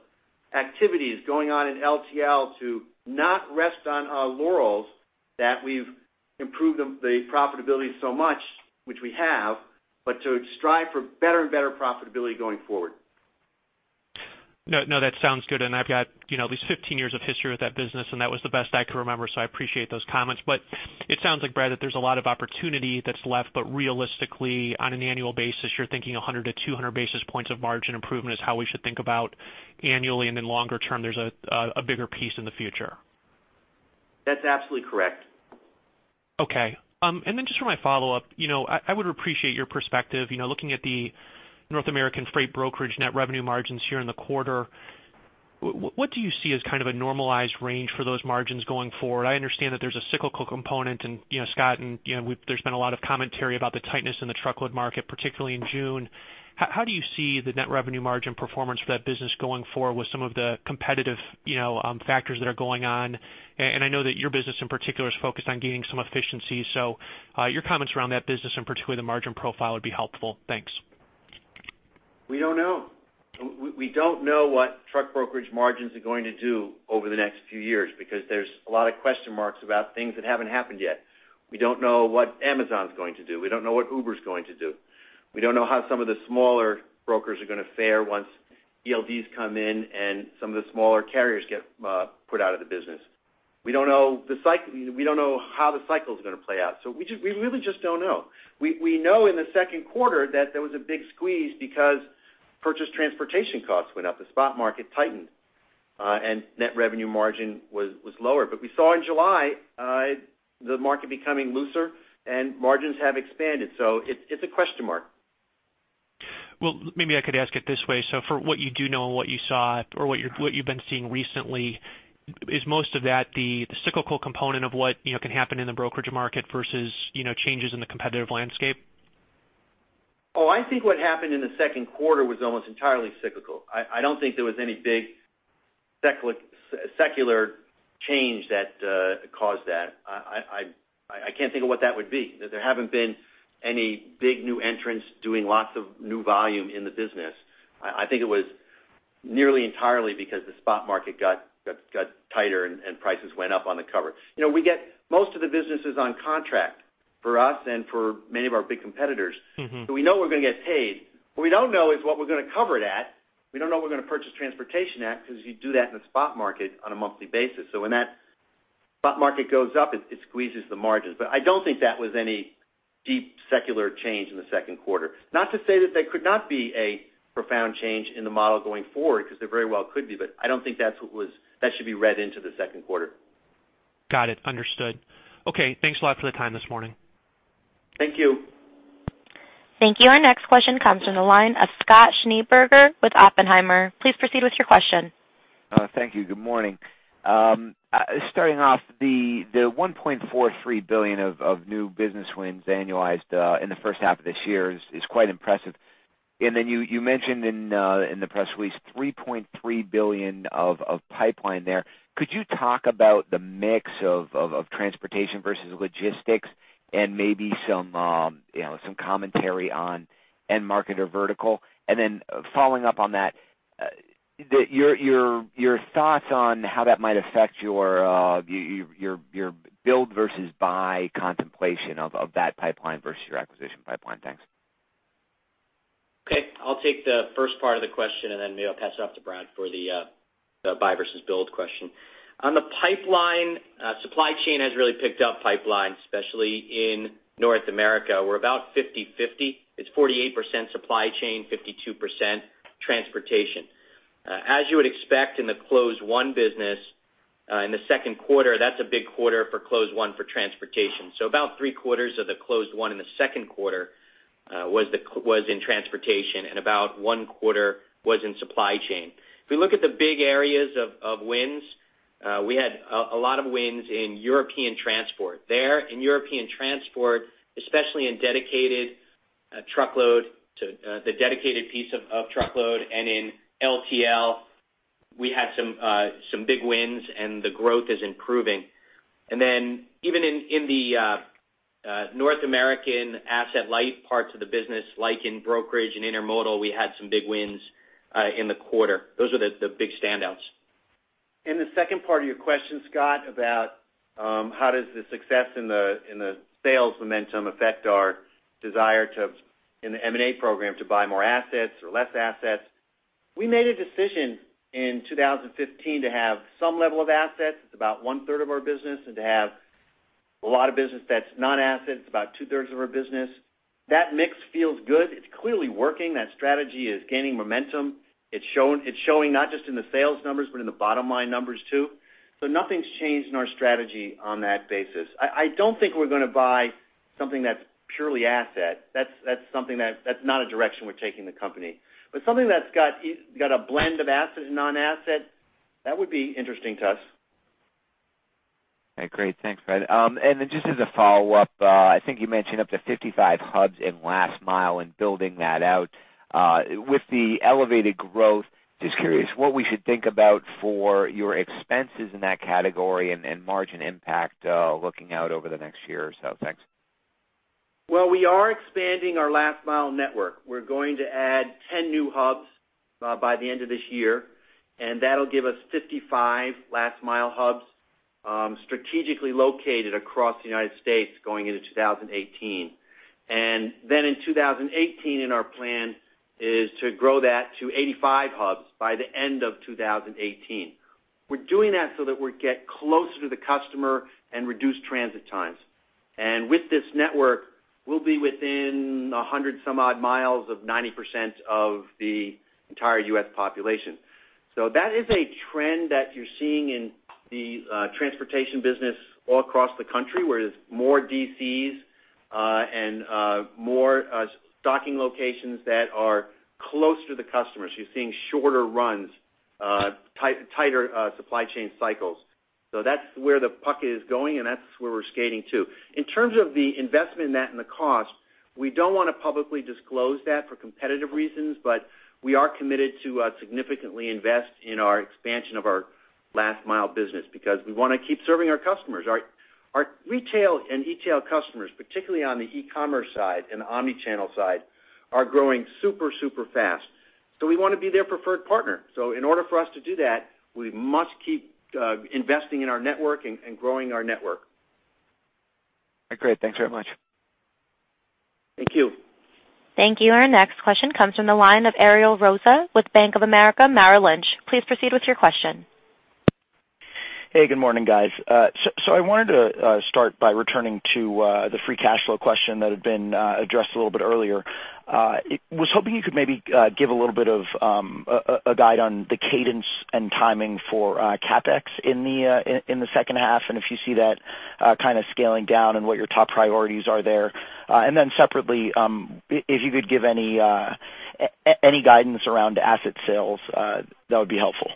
activities going on in LTL to not rest on our laurels, that we've improved the profitability so much, which we have, but to strive for better and better profitability going forward. No, no, that sounds good, and I've got, you know, at least 15 years of history with that business, and that was the best I could remember, so I appreciate those comments. But it sounds like, Brad, that there's a lot of opportunity that's left, but realistically, on an annual basis, you're thinking 100-200 basis points of margin improvement is how we should think about annually, and then longer term, there's a bigger piece in the future. That's absolutely correct. Okay. And then just for my follow-up, you know, I would appreciate your perspective, you know, looking at the North American freight brokerage net revenue margins here in the quarter, what do you see as kind of a normalized range for those margins going forward? I understand that there's a cyclical component and, you know, Scott, you know, there's been a lot of commentary about the tightness in the truckload market, particularly in June. How do you see the net revenue margin performance for that business going forward with some of the competitive, you know, factors that are going on? And I know that your business, in particular, is focused on gaining some efficiency. So, your comments around that business, and particularly the margin profile, would be helpful. Thanks. We don't know. We don't know what truck brokerage margins are going to do over the next few years because there's a lot of question marks about things that haven't happened yet. We don't know what Amazon's going to do. We don't know what Uber's going to do. We don't know how some of the smaller brokers are gonna fare once ELDs come in and some of the smaller carriers get put out of the business. We don't know the cycle. We don't know how the cycle is gonna play out. So we just really don't know. We know in the second quarter that there was a big squeeze because purchase transportation costs went up, the spot market tightened, and net revenue margin was lower. But we saw in July the market becoming looser, and margins have expanded, so it's a question mark. Well, maybe I could ask it this way. So for what you do know and what you saw or what you've been seeing recently, is most of that the cyclical component of what, you know, can happen in the brokerage market versus, you know, changes in the competitive landscape? Oh, I think what happened in the second quarter was almost entirely cyclical. I don't think there was any big secular change that caused that. I can't think of what that would be. There haven't been any big new entrants doing lots of new volume in the business. I think it was nearly entirely because the spot market got tighter and prices went up on the cover. You know, we get... Most of the business is on contract.... for us and for many of our big competitors. Mm-hmm. So we know we're going to get paid. What we don't know is what we're going to cover it at. We don't know what we're going to purchase transportation at because you do that in the spot market on a monthly basis. So when that spot market goes up, it, it squeezes the margins. But I don't think that was any deep secular change in the second quarter. Not to say that there could not be a profound change in the model going forward, because there very well could be, but I don't think that's what was—that should be read into the second quarter. Got it. Understood. Okay, thanks a lot for the time this morning. Thank you. Thank you. Our next question comes from the line of Scott Schneeberger with Oppenheimer. Please proceed with your question. Thank you. Good morning. Starting off, the $1.43 billion of new business wins annualized in the first half of this year is quite impressive. And then you mentioned in the press release, $3.3 billion of pipeline there. Could you talk about the mix of transportation versus logistics and maybe some, you know, some commentary on end market or vertical? And then following up on that, your thoughts on how that might affect your build versus buy contemplation of that pipeline versus your acquisition pipeline? Thanks. Okay, I'll take the first part of the question, and then maybe I'll pass it off to Brad for the buy versus build question. On the pipeline, supply chain has really picked up pipeline, especially in North America. We're about 50/50. It's 48% supply chain, 52% transportation. As you would expect in the closed-won business, in the second quarter, that's a big quarter for closed-won for transportation. So about three quarters of the closed-won in the second quarter was in transportation, and about one quarter was in supply chain. If we look at the big areas of wins, we had a lot of wins in European transport. There, in European transport, especially in dedicated truckload, to the dedicated piece of truckload, and in LTL, we had some big wins, and the growth is improving. And then even in the North American asset-light parts of the business, like in brokerage and intermodal, we had some big wins in the quarter. Those are the big standouts. The second part of your question, Scott, about how does the success in the sales momentum affect our desire to, in the M&A program, to buy more assets or less assets? We made a decision in 2015 to have some level of assets. It's about one-third of our business, and to have a lot of business that's non-asset, it's about two-thirds of our business. That mix feels good. It's clearly working. That strategy is gaining momentum. It's showing not just in the sales numbers, but in the bottom line numbers, too. So nothing's changed in our strategy on that basis. I don't think we're going to buy something that's purely asset. That's something that not a direction we're taking the company. But something that's got a blend of asset and non-asset, that would be interesting to us. Okay, great. Thanks, Brad. And then just as a follow-up, I think you mentioned up to 55 hubs in last mile and building that out. With the elevated growth, just curious, what we should think about for your expenses in that category and margin impact, looking out over the next year or so? Thanks. Well, we are expanding our Last Mile network. We're going to add 10 new hubs by the end of this year, and that'll give us 55 Last Mile hubs, strategically located across the United States going into 2018. And then in 2018, our plan is to grow that to 85 hubs by the end of 2018. We're doing that so that we get closer to the customer and reduce transit times. And with this network, we'll be within 100-some-odd miles of 90% of the entire U.S. population. So that is a trend that you're seeing in the transportation business all across the country, where there's more DCs and more stocking locations that are closer to the customers. You're seeing shorter runs, tighter supply chain cycles. So that's where the puck is going, and that's where we're skating to. In terms of the investment in that and the cost, we don't want to publicly disclose that for competitive reasons, but we are committed to significantly invest in our expansion of our last mile business because we want to keep serving our customers. Our, our retail and e-tail customers, particularly on the e-commerce side and the omni-channel side, are growing super, super fast. So we want to be their preferred partner. So in order for us to do that, we must keep investing in our network and, and growing our network. Great. Thanks very much. Thank you. Thank you. Our next question comes from the line of Ariel Rosa with Bank of America Merrill Lynch. Please proceed with your question. Hey, good morning, guys. So I wanted to start by returning to the free cash flow question that had been addressed a little bit earlier. Was hoping you could maybe give a little bit of a guide on the cadence and timing for CapEx in the second half, and if you see that kind of scaling down and what your top priorities are there. And then separately, if you could give any guidance around asset sales, that would be helpful.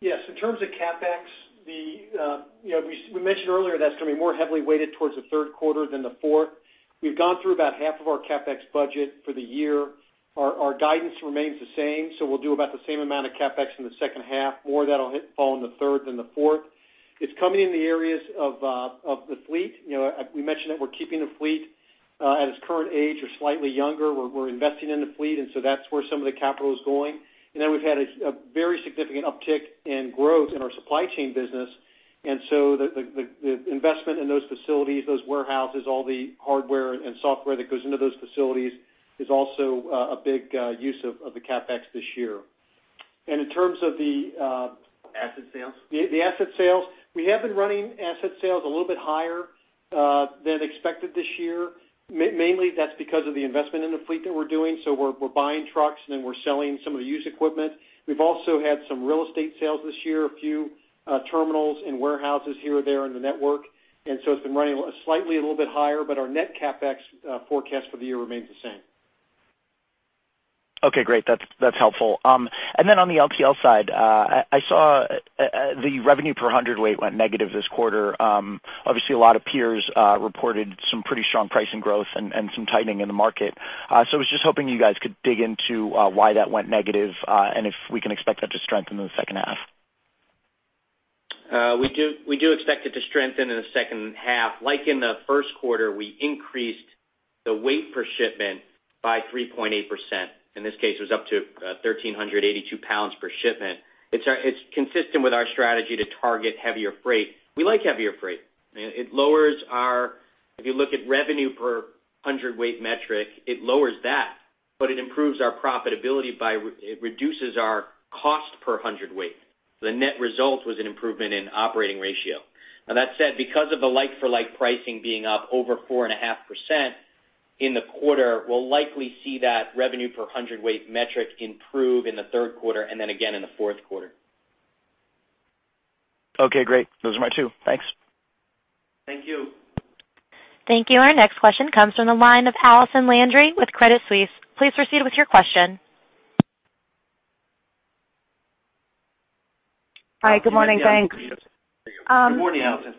Yes, in terms of CapEx, you know, we mentioned earlier that it's going to be more heavily weighted towards the third quarter than the fourth. We've gone through about half of our CapEx budget for the year. Our guidance remains the same, so we'll do about the same amount of CapEx in the second half. More of that will hit, fall in the third than the fourth. It's coming in the areas of the fleet. You know, we mentioned that we're keeping the fleet.... at its current age or slightly younger. We're investing in the fleet, and so that's where some of the capital is going. And then we've had a very significant uptick in growth in our supply chain business. And so the investment in those facilities, those warehouses, all the hardware and software that goes into those facilities, is also a big use of the CapEx this year. And in terms of the- Asset sales? The asset sales, we have been running asset sales a little bit higher than expected this year. Mainly, that's because of the investment in the fleet that we're doing. So we're buying trucks, and then we're selling some of the used equipment. We've also had some real estate sales this year, a few terminals and warehouses here or there in the network. And so it's been running slightly a little bit higher, but our net CapEx forecast for the year remains the same. Okay, great. That's, that's helpful. And then on the LTL side, I saw the revenue per hundredweight went negative this quarter. Obviously, a lot of peers reported some pretty strong pricing growth and some tightening in the market. So I was just hoping you guys could dig into why that went negative and if we can expect that to strengthen in the second half. We do, we do expect it to strengthen in the second half. Like in the first quarter, we increased the weight per shipment by 3.8%. In this case, it was up to thirteen hundred and eighty-two pounds per shipment. It's consistent with our strategy to target heavier freight. We like heavier freight. It lowers our... If you look at revenue per hundredweight metric, it lowers that, but it improves our profitability by it reduces our cost per hundredweight. The net result was an improvement in operating ratio. Now, that said, because of the like-for-like pricing being up over 4.5% in the quarter, we'll likely see that revenue per hundredweight metric improve in the third quarter and then again in the fourth quarter. Okay, great. Those are my two. Thanks. Thank you. Thank you. Our next question comes from the line of Allison Landry with Credit Suisse. Please proceed with your question. Hi, good morning. Thanks. Good morning, Allison. Good morning.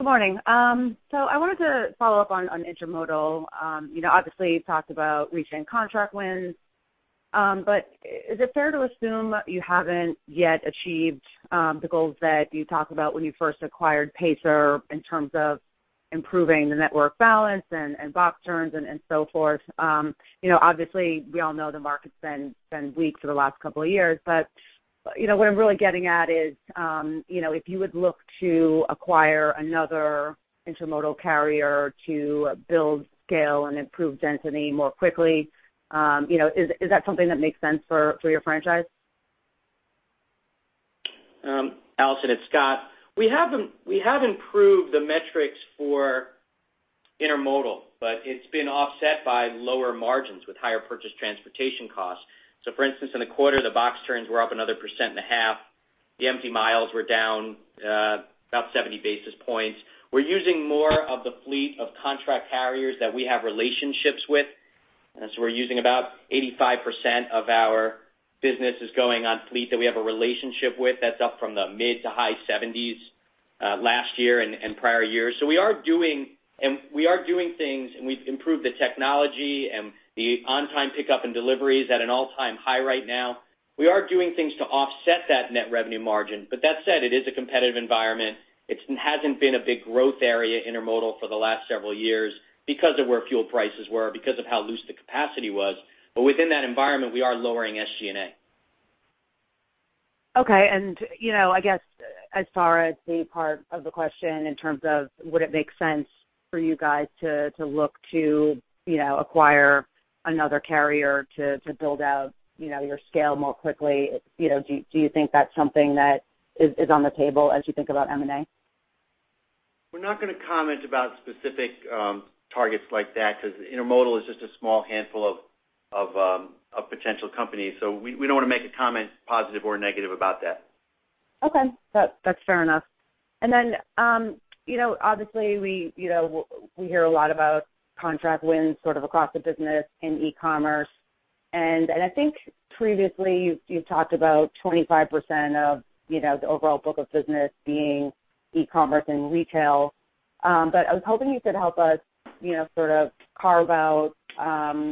So I wanted to follow up on intermodal. You know, obviously, you talked about retaining contract wins, but is it fair to assume you haven't yet achieved the goals that you talked about when you first acquired Pacer, in terms of improving the network balance and box turns, and so forth? You know, obviously, we all know the market's been weak for the last couple of years, but, you know, what I'm really getting at is, you know, if you would look to acquire another intermodal carrier to build scale and improve density more quickly, you know, is that something that makes sense for your franchise? Allison, it's Scott. We have, we have improved the metrics for intermodal, but it's been offset by lower margins with higher purchase transportation costs. So for instance, in the quarter, the box turns were up another 1.5%. The empty miles were down about 70 basis points. We're using more of the fleet of contract carriers that we have relationships with. And so we're using about 85% of our business is going on fleet that we have a relationship with. That's up from the mid- to high 70s last year and prior years. So we are doing, and we are doing things, and we've improved the technology, and the on-time pickup and delivery is at an all-time high right now. We are doing things to offset that net revenue margin, but that said, it is a competitive environment. It hasn't been a big growth area, intermodal, for the last several years because of where fuel prices were, because of how loose the capacity was. But within that environment, we are lowering SG&A. Okay. And, you know, I guess, as far as the part of the question in terms of would it make sense for you guys to look to, you know, acquire another carrier to build out, you know, your scale more quickly, you know, do you think that's something that is on the table as you think about M&A? We're not going to comment about specific targets like that because intermodal is just a small handful of potential companies. So we don't want to make a comment, positive or negative, about that. Okay. That's, that's fair enough. And then, you know, obviously, we, you know, we hear a lot about contract wins sort of across the business in e-commerce. And, and I think previously, you, you talked about 25% of, you know, the overall book of business being e-commerce and retail. But I was hoping you could help us, you know, sort of carve out,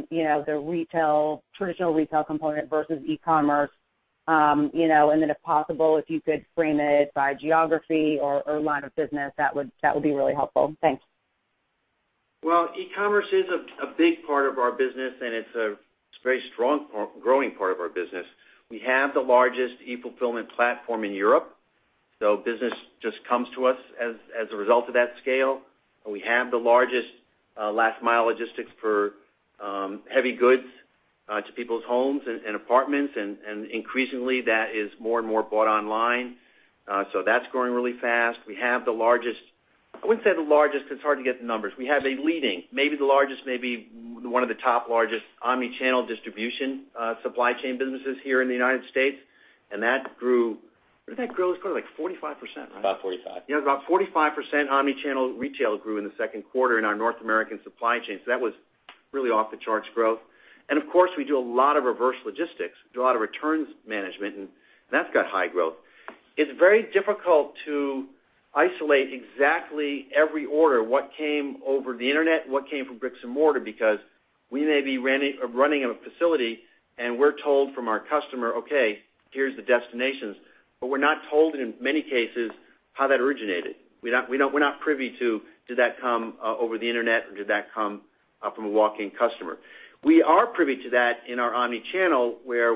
you know, the retail, traditional retail component versus e-commerce, you know, and then if possible, if you could frame it by geography or, or line of business, that would, that would be really helpful. Thanks. Well, e-commerce is a big part of our business, and it's a very strong part, growing part of our business. We have the largest e-fulfillment platform in Europe, so business just comes to us as a result of that scale. And we have the largest last-mile logistics for heavy goods to people's homes and apartments, and increasingly, that is more and more bought online. So that's growing really fast. We have the largest... I wouldn't say the largest, it's hard to get the numbers. We have a leading, maybe the largest, maybe one of the top largest omni-channel distribution supply chain businesses here in the United States, and that grew, what did that grow, like 45%, right? About forty-five. Yeah, about 45% omni-channel retail grew in the second quarter in our North American supply chain. So that was really off the charts growth. And of course, we do a lot of reverse logistics, do a lot of returns management, and that's got high growth. It's very difficult to isolate exactly every order, what came over the internet, what came from bricks and mortar, because-... we may be running a facility, and we're told from our customer, "Okay, here's the destinations," but we're not told, in many cases, how that originated. We're not privy to did that come over the internet, or did that come from a walk-in customer? We are privy to that in our omni-channel, where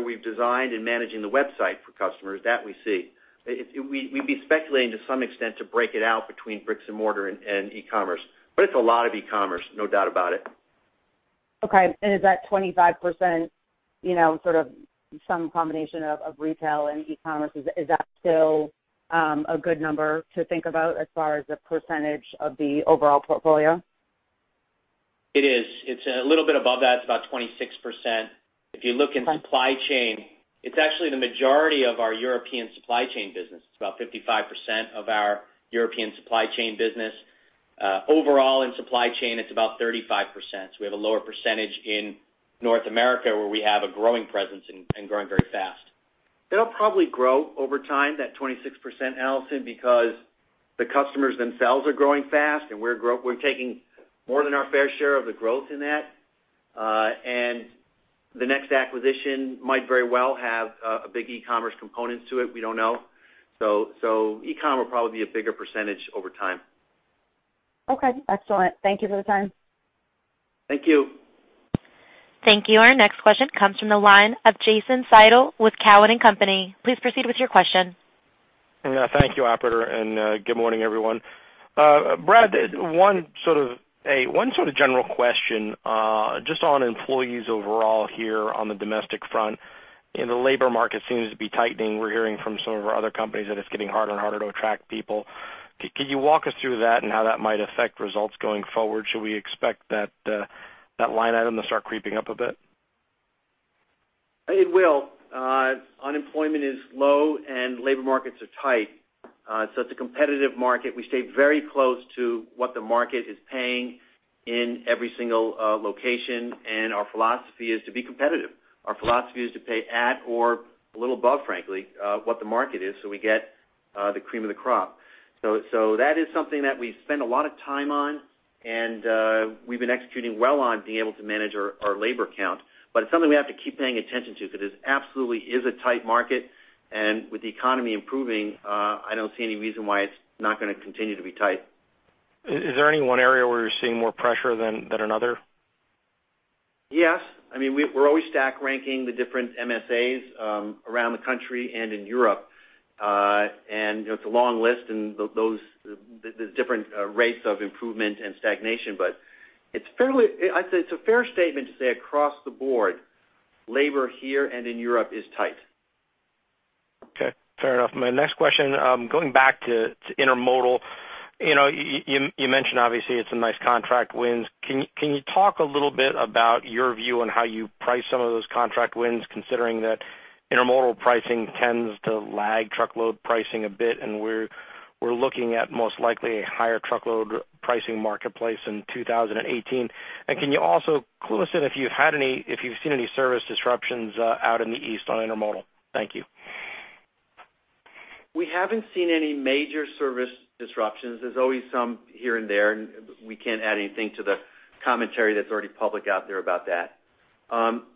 we've designed and managing the website for customers, that we see. We'd be speculating to some extent to break it out between bricks and mortar and e-commerce. But it's a lot of e-commerce, no doubt about it. Okay, and is that 25%, you know, sort of some combination of retail and e-commerce? Is that still a good number to think about as far as the percentage of the overall portfolio? It is. It's a little bit above that, it's about 26%. If you look in supply chain, it's actually the majority of our European supply chain business. It's about 55% of our European supply chain business. Overall, in supply chain, it's about 35%, so we have a lower percentage in North America, where we have a growing presence and growing very fast. It'll probably grow over time, that 26%, Allison, because the customers themselves are growing fast, and we're taking more than our fair share of the growth in that. And the next acquisition might very well have a big e-commerce component to it. We don't know. So, so e-com will probably be a bigger percentage over time. Okay, excellent. Thank you for the time. Thank you. Thank you. Our next question comes from the line of Jason Seidel with Cowen and Company. Please proceed with your question. Thank you, operator, and good morning, everyone. Brad, one sort of, a one sort of general question, just on employees overall here on the domestic front. You know, the labor market seems to be tightening. We're hearing from some of our other companies that it's getting harder and harder to attract people. Could you walk us through that and how that might affect results going forward? Should we expect that, that line item to start creeping up a bit? It will. Unemployment is low, and labor markets are tight. So it's a competitive market. We stay very close to what the market is paying in every single location, and our philosophy is to be competitive. Our philosophy is to pay at or a little above, frankly, what the market is, so we get the cream of the crop. So that is something that we spend a lot of time on, and we've been executing well on being able to manage our labor count. But it's something we have to keep paying attention to, because it absolutely is a tight market, and with the economy improving, I don't see any reason why it's not gonna continue to be tight. Is there any one area where you're seeing more pressure than another? Yes. I mean, we're always stack ranking the different MSAs around the country and in Europe. You know, it's a long list, and those, the different rates of improvement and stagnation, but it's fairly, I'd say it's a fair statement to say across the board, labor here and in Europe is tight. Okay, fair enough. My next question, going back to intermodal. You know, you mentioned obviously, it's some nice contract wins. Can you talk a little bit about your view on how you price some of those contract wins, considering that intermodal pricing tends to lag truckload pricing a bit, and we're looking at most likely a higher truckload pricing marketplace in 2018? And can you also clue us in if you've seen any service disruptions out in the East on intermodal? Thank you. We haven't seen any major service disruptions. There's always some here and there, and we can't add anything to the commentary that's already public out there about that.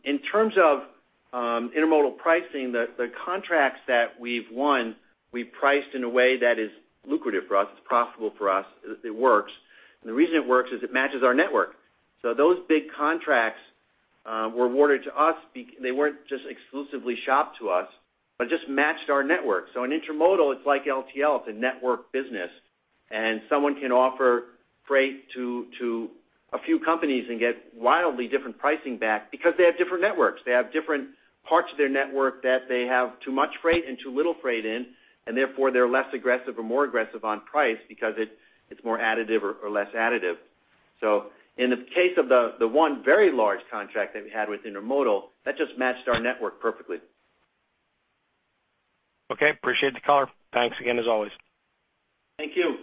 In terms of intermodal pricing, the contracts that we've won, we've priced in a way that is lucrative for us, it's profitable for us, it works. And the reason it works is it matches our network. So those big contracts were awarded to us. They weren't just exclusively shopped to us, but just matched our network. So in intermodal, it's like LTL, it's a network business, and someone can offer freight to a few companies and get wildly different pricing back because they have different networks. They have different parts of their network that they have too much freight and too little freight in, and therefore, they're less aggressive or more aggressive on price because it's, it's more additive or, or less additive. So in the case of the, the one very large contract that we had with intermodal, that just matched our network perfectly. Okay, appreciate the color. Thanks again, as always. Thank you.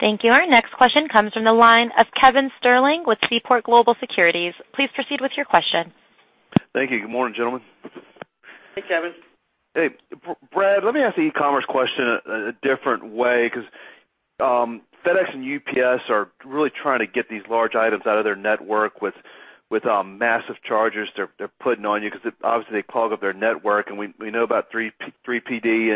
Thank you. Our next question comes from the line of Kevin Sterling with Seaport Global Securities. Please proceed with your question. Thank you. Good morning, gentlemen. Hey, Kevin. Hey, Brad, let me ask the e-commerce question a different way, because FedEx and UPS are really trying to get these large items out of their network with massive charges they're putting on you, because it obviously they clog up their network, and we know about 3PD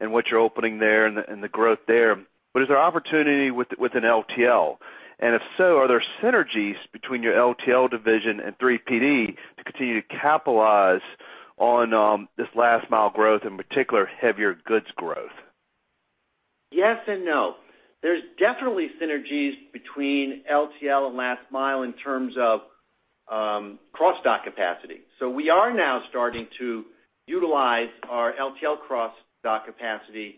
and what you're opening there and the growth there. But is there opportunity with an LTL? And if so, are there synergies between your LTL division and 3PD to continue to capitalize on this last mile growth, in particular, heavier goods growth? Yes and no. There's definitely synergies between LTL and last mile in terms of cross-dock capacity. So we are now starting to utilize our LTL cross-dock capacity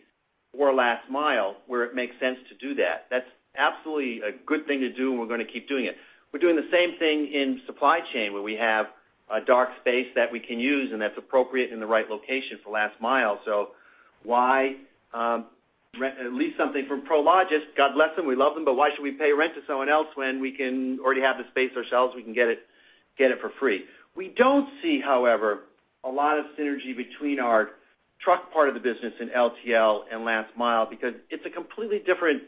for last mile, where it makes sense to do that. That's absolutely a good thing to do, and we're gonna keep doing it. We're doing the same thing in supply chain, where we have a dark space that we can use, and that's appropriate in the right location for last mile. So why re-lease something from Prologis? God bless them, we love them, but why should we pay rent to someone else when we can already have the space ourselves, we can get it for free? We don't see, however, a lot of synergy between our truck part of the business in LTL and last mile, because it's a completely different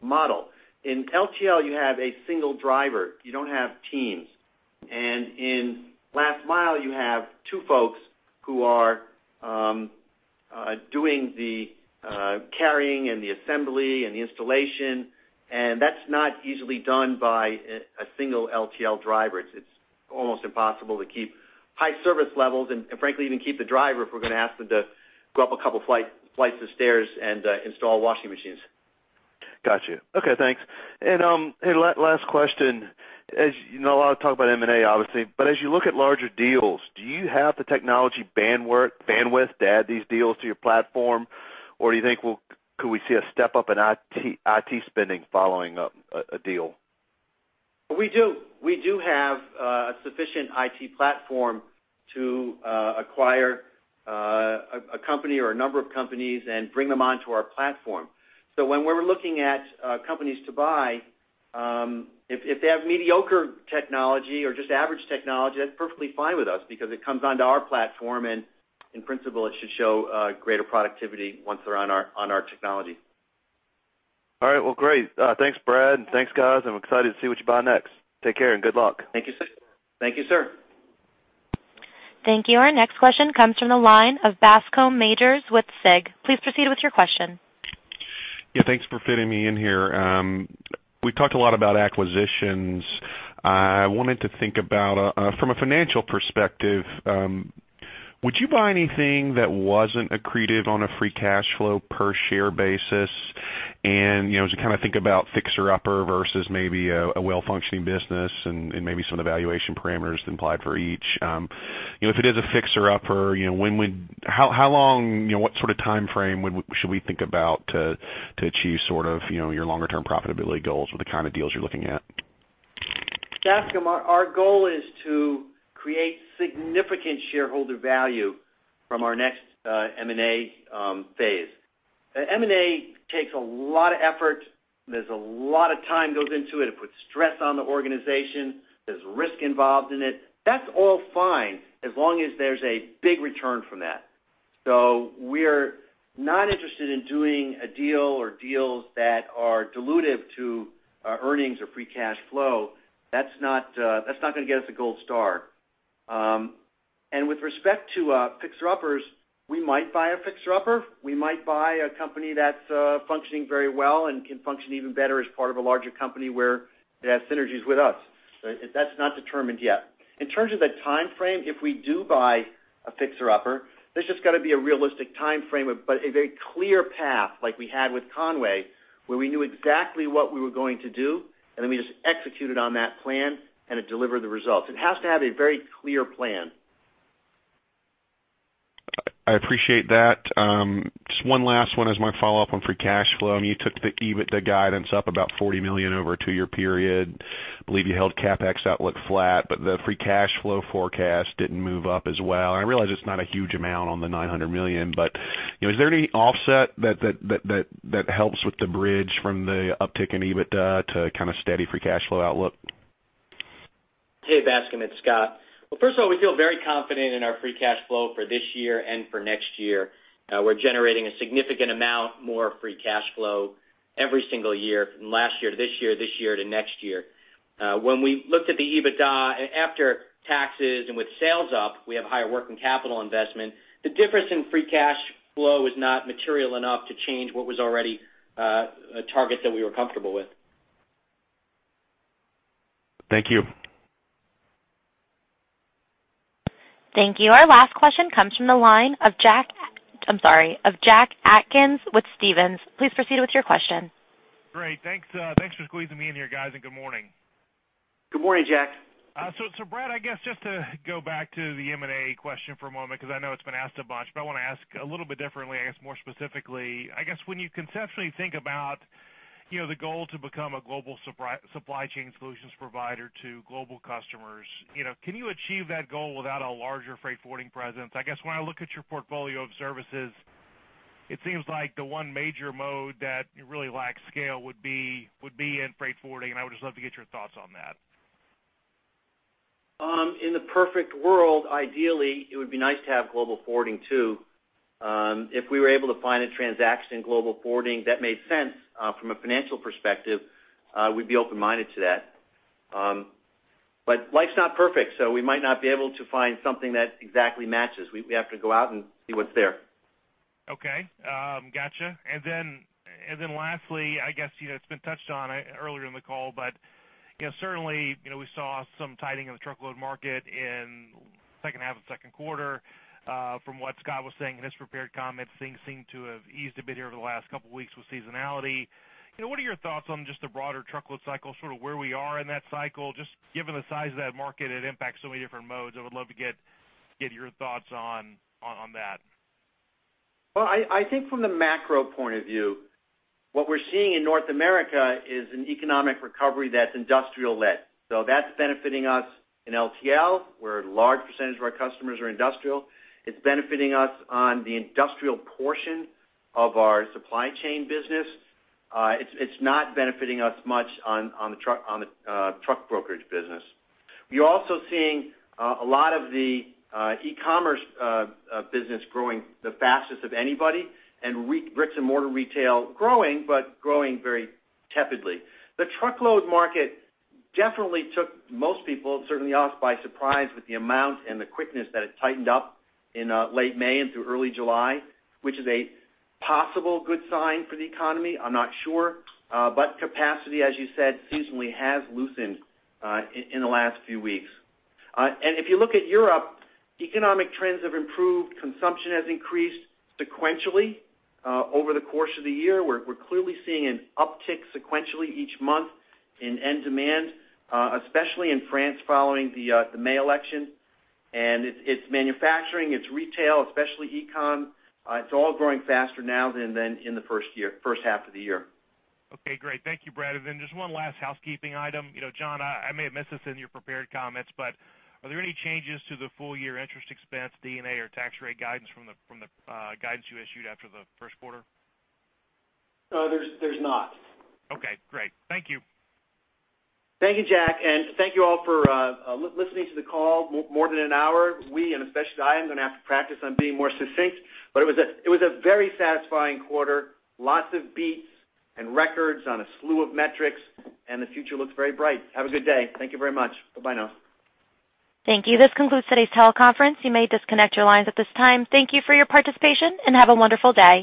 model. In LTL, you have a single driver. You don't have teams. In last mile, you have two folks who are doing the carrying and the assembly and the installation, and that's not easily done by a single LTL driver. It's almost impossible to keep high service levels and frankly, even keep the driver if we're gonna ask them to go up a couple flights of stairs and install washing machines. Got you. Okay, thanks. And last question. As you know, a lot of talk about M&A, obviously, but as you look at larger deals, do you have the technology bandwidth, bandwidth to add these deals to your platform? Or do you think, well, could we see a step up in IT, IT spending following up a deal? We do. We do have sufficient IT platform to acquire a company or a number of companies and bring them onto our platform. So when we're looking at companies to buy, if they have mediocre technology or just average technology, that's perfectly fine with us because it comes onto our platform, and in principle, it should show greater productivity once they're on our technology. All right. Well, great. Thanks, Brad, and thanks, guys. I'm excited to see what you buy next. Take care, and good luck. Thank you, sir. Thank you, sir. Thank you. Our next question comes from the line of Bascom Majors with SIG. Please proceed with your question. Yeah, thanks for fitting me in here. We talked a lot about acquisitions. I wanted to think about, from a financial perspective, would you buy anything that wasn't accretive on a free cash flow per share basis? And, you know, as you kind of think about fixer-upper versus maybe a well-functioning business and maybe some of the valuation parameters implied for each. You know, if it is a fixer-upper, you know, when would—how long, you know, what sort of timeframe should we think about to achieve sort of, you know, your longer-term profitability goals with the kind of deals you're looking at? Bascom, our goal is to create significant shareholder value from our next M&A phase. M&A takes a lot of effort. There's a lot of time goes into it. It puts stress on the organization. There's risk involved in it. That's all fine, as long as there's a big return from that. So we're not interested in doing a deal or deals that are dilutive to our earnings or free cash flow. That's not gonna get us a gold star. And with respect to fixer-uppers, we might buy a fixer-upper. We might buy a company that's functioning very well and can function even better as part of a larger company where it has synergies with us. So that's not determined yet. In terms of the timeframe, if we do buy a fixer-upper, there's just got to be a realistic timeframe, but a very clear path, like we had with Con-way, where we knew exactly what we were going to do, and then we just executed on that plan, and it delivered the results. It has to have a very clear plan. I appreciate that. Just one last one as my follow-up on free cash flow. I mean, you took the EBIT, the guidance up about $40 million over a two-year period. I believe you held CapEx outlook flat, but the free cash flow forecast didn't move up as well. I realize it's not a huge amount on the $900 million, but, you know, is there any offset that helps with the bridge from the uptick in EBITDA to kind of steady free cash flow outlook? Hey, Bascom, it's Scott. Well, first of all, we feel very confident in our free cash flow for this year and for next year. We're generating a significant amount more free cash flow every single year, from last year to this year, this year to next year. When we looked at the EBITDA, after taxes and with sales up, we have higher working capital investment. The difference in free cash flow is not material enough to change what was already a target that we were comfortable with. Thank you. Thank you. Our last question comes from the line of Jack... I'm sorry, of Jack Atkins with Stephens. Please proceed with your question. Great, thanks, thanks for squeezing me in here, guys, and good morning. Good morning, Jack. So, so Brad, I guess just to go back to the M&A question for a moment, because I know it's been asked a bunch, but I want to ask a little bit differently, I guess more specifically. I guess when you conceptually think about, you know, the goal to become a global supply, supply chain solutions provider to global customers, you know, can you achieve that goal without a larger freight forwarding presence? I guess when I look at your portfolio of services, it seems like the one major mode that you really lack scale would be, would be in freight forwarding, and I would just love to get your thoughts on that. In the perfect world, ideally, it would be nice to have global forwarding, too. If we were able to find a transaction in global forwarding that made sense from a financial perspective, we'd be open-minded to that. But life's not perfect, so we might not be able to find something that exactly matches. We have to go out and see what's there. Okay, gotcha. And then, and then lastly, I guess, you know, it's been touched on earlier in the call, but, you know, certainly, you know, we saw some tightening of the truckload market in second half of the second quarter. From what Scott was saying in his prepared comments, things seem to have eased a bit here over the last couple of weeks with seasonality. You know, what are your thoughts on just the broader truckload cycle, sort of where we are in that cycle? Just given the size of that market, it impacts so many different modes. I would love to get your thoughts on that. Well, I think from the macro point of view, what we're seeing in North America is an economic recovery that's industrial-led. So that's benefiting us in LTL, where a large percentage of our customers are industrial. It's benefiting us on the industrial portion of our supply chain business. It's not benefiting us much on the truck brokerage business. We're also seeing a lot of the e-commerce business growing the fastest of anybody, and bricks-and-mortar retail growing, but growing very tepidly. The truckload market definitely took most people, certainly us, by surprise with the amount and the quickness that it tightened up in late May and through early July, which is a possible good sign for the economy. I'm not sure. But capacity, as you said, seasonally has loosened in the last few weeks. If you look at Europe, economic trends have improved, consumption has increased sequentially over the course of the year. We're, we're clearly seeing an uptick sequentially each month in end demand, especially in France, following the May election. And it's, it's manufacturing, it's retail, especially e-com. It's all growing faster now than, than in the first half of the year. Okay, great. Thank you, Brad. And then just one last housekeeping item. You know, John, I may have missed this in your prepared comments, but are there any changes to the full-year interest expense, EBITDA, or tax rate guidance from the guidance you issued after the first quarter? There's not. Okay, great. Thank you. Thank you, Jack, and thank you all for listening to the call more than an hour. We, and especially I, am going to have to practice on being more succinct, but it was a very satisfying quarter. Lots of beats and records on a slew of metrics, and the future looks very bright. Have a good day. Thank you very much. Bye-bye now. Thank you. This concludes today's teleconference. You may disconnect your lines at this time. Thank you for your participation, and have a wonderful day.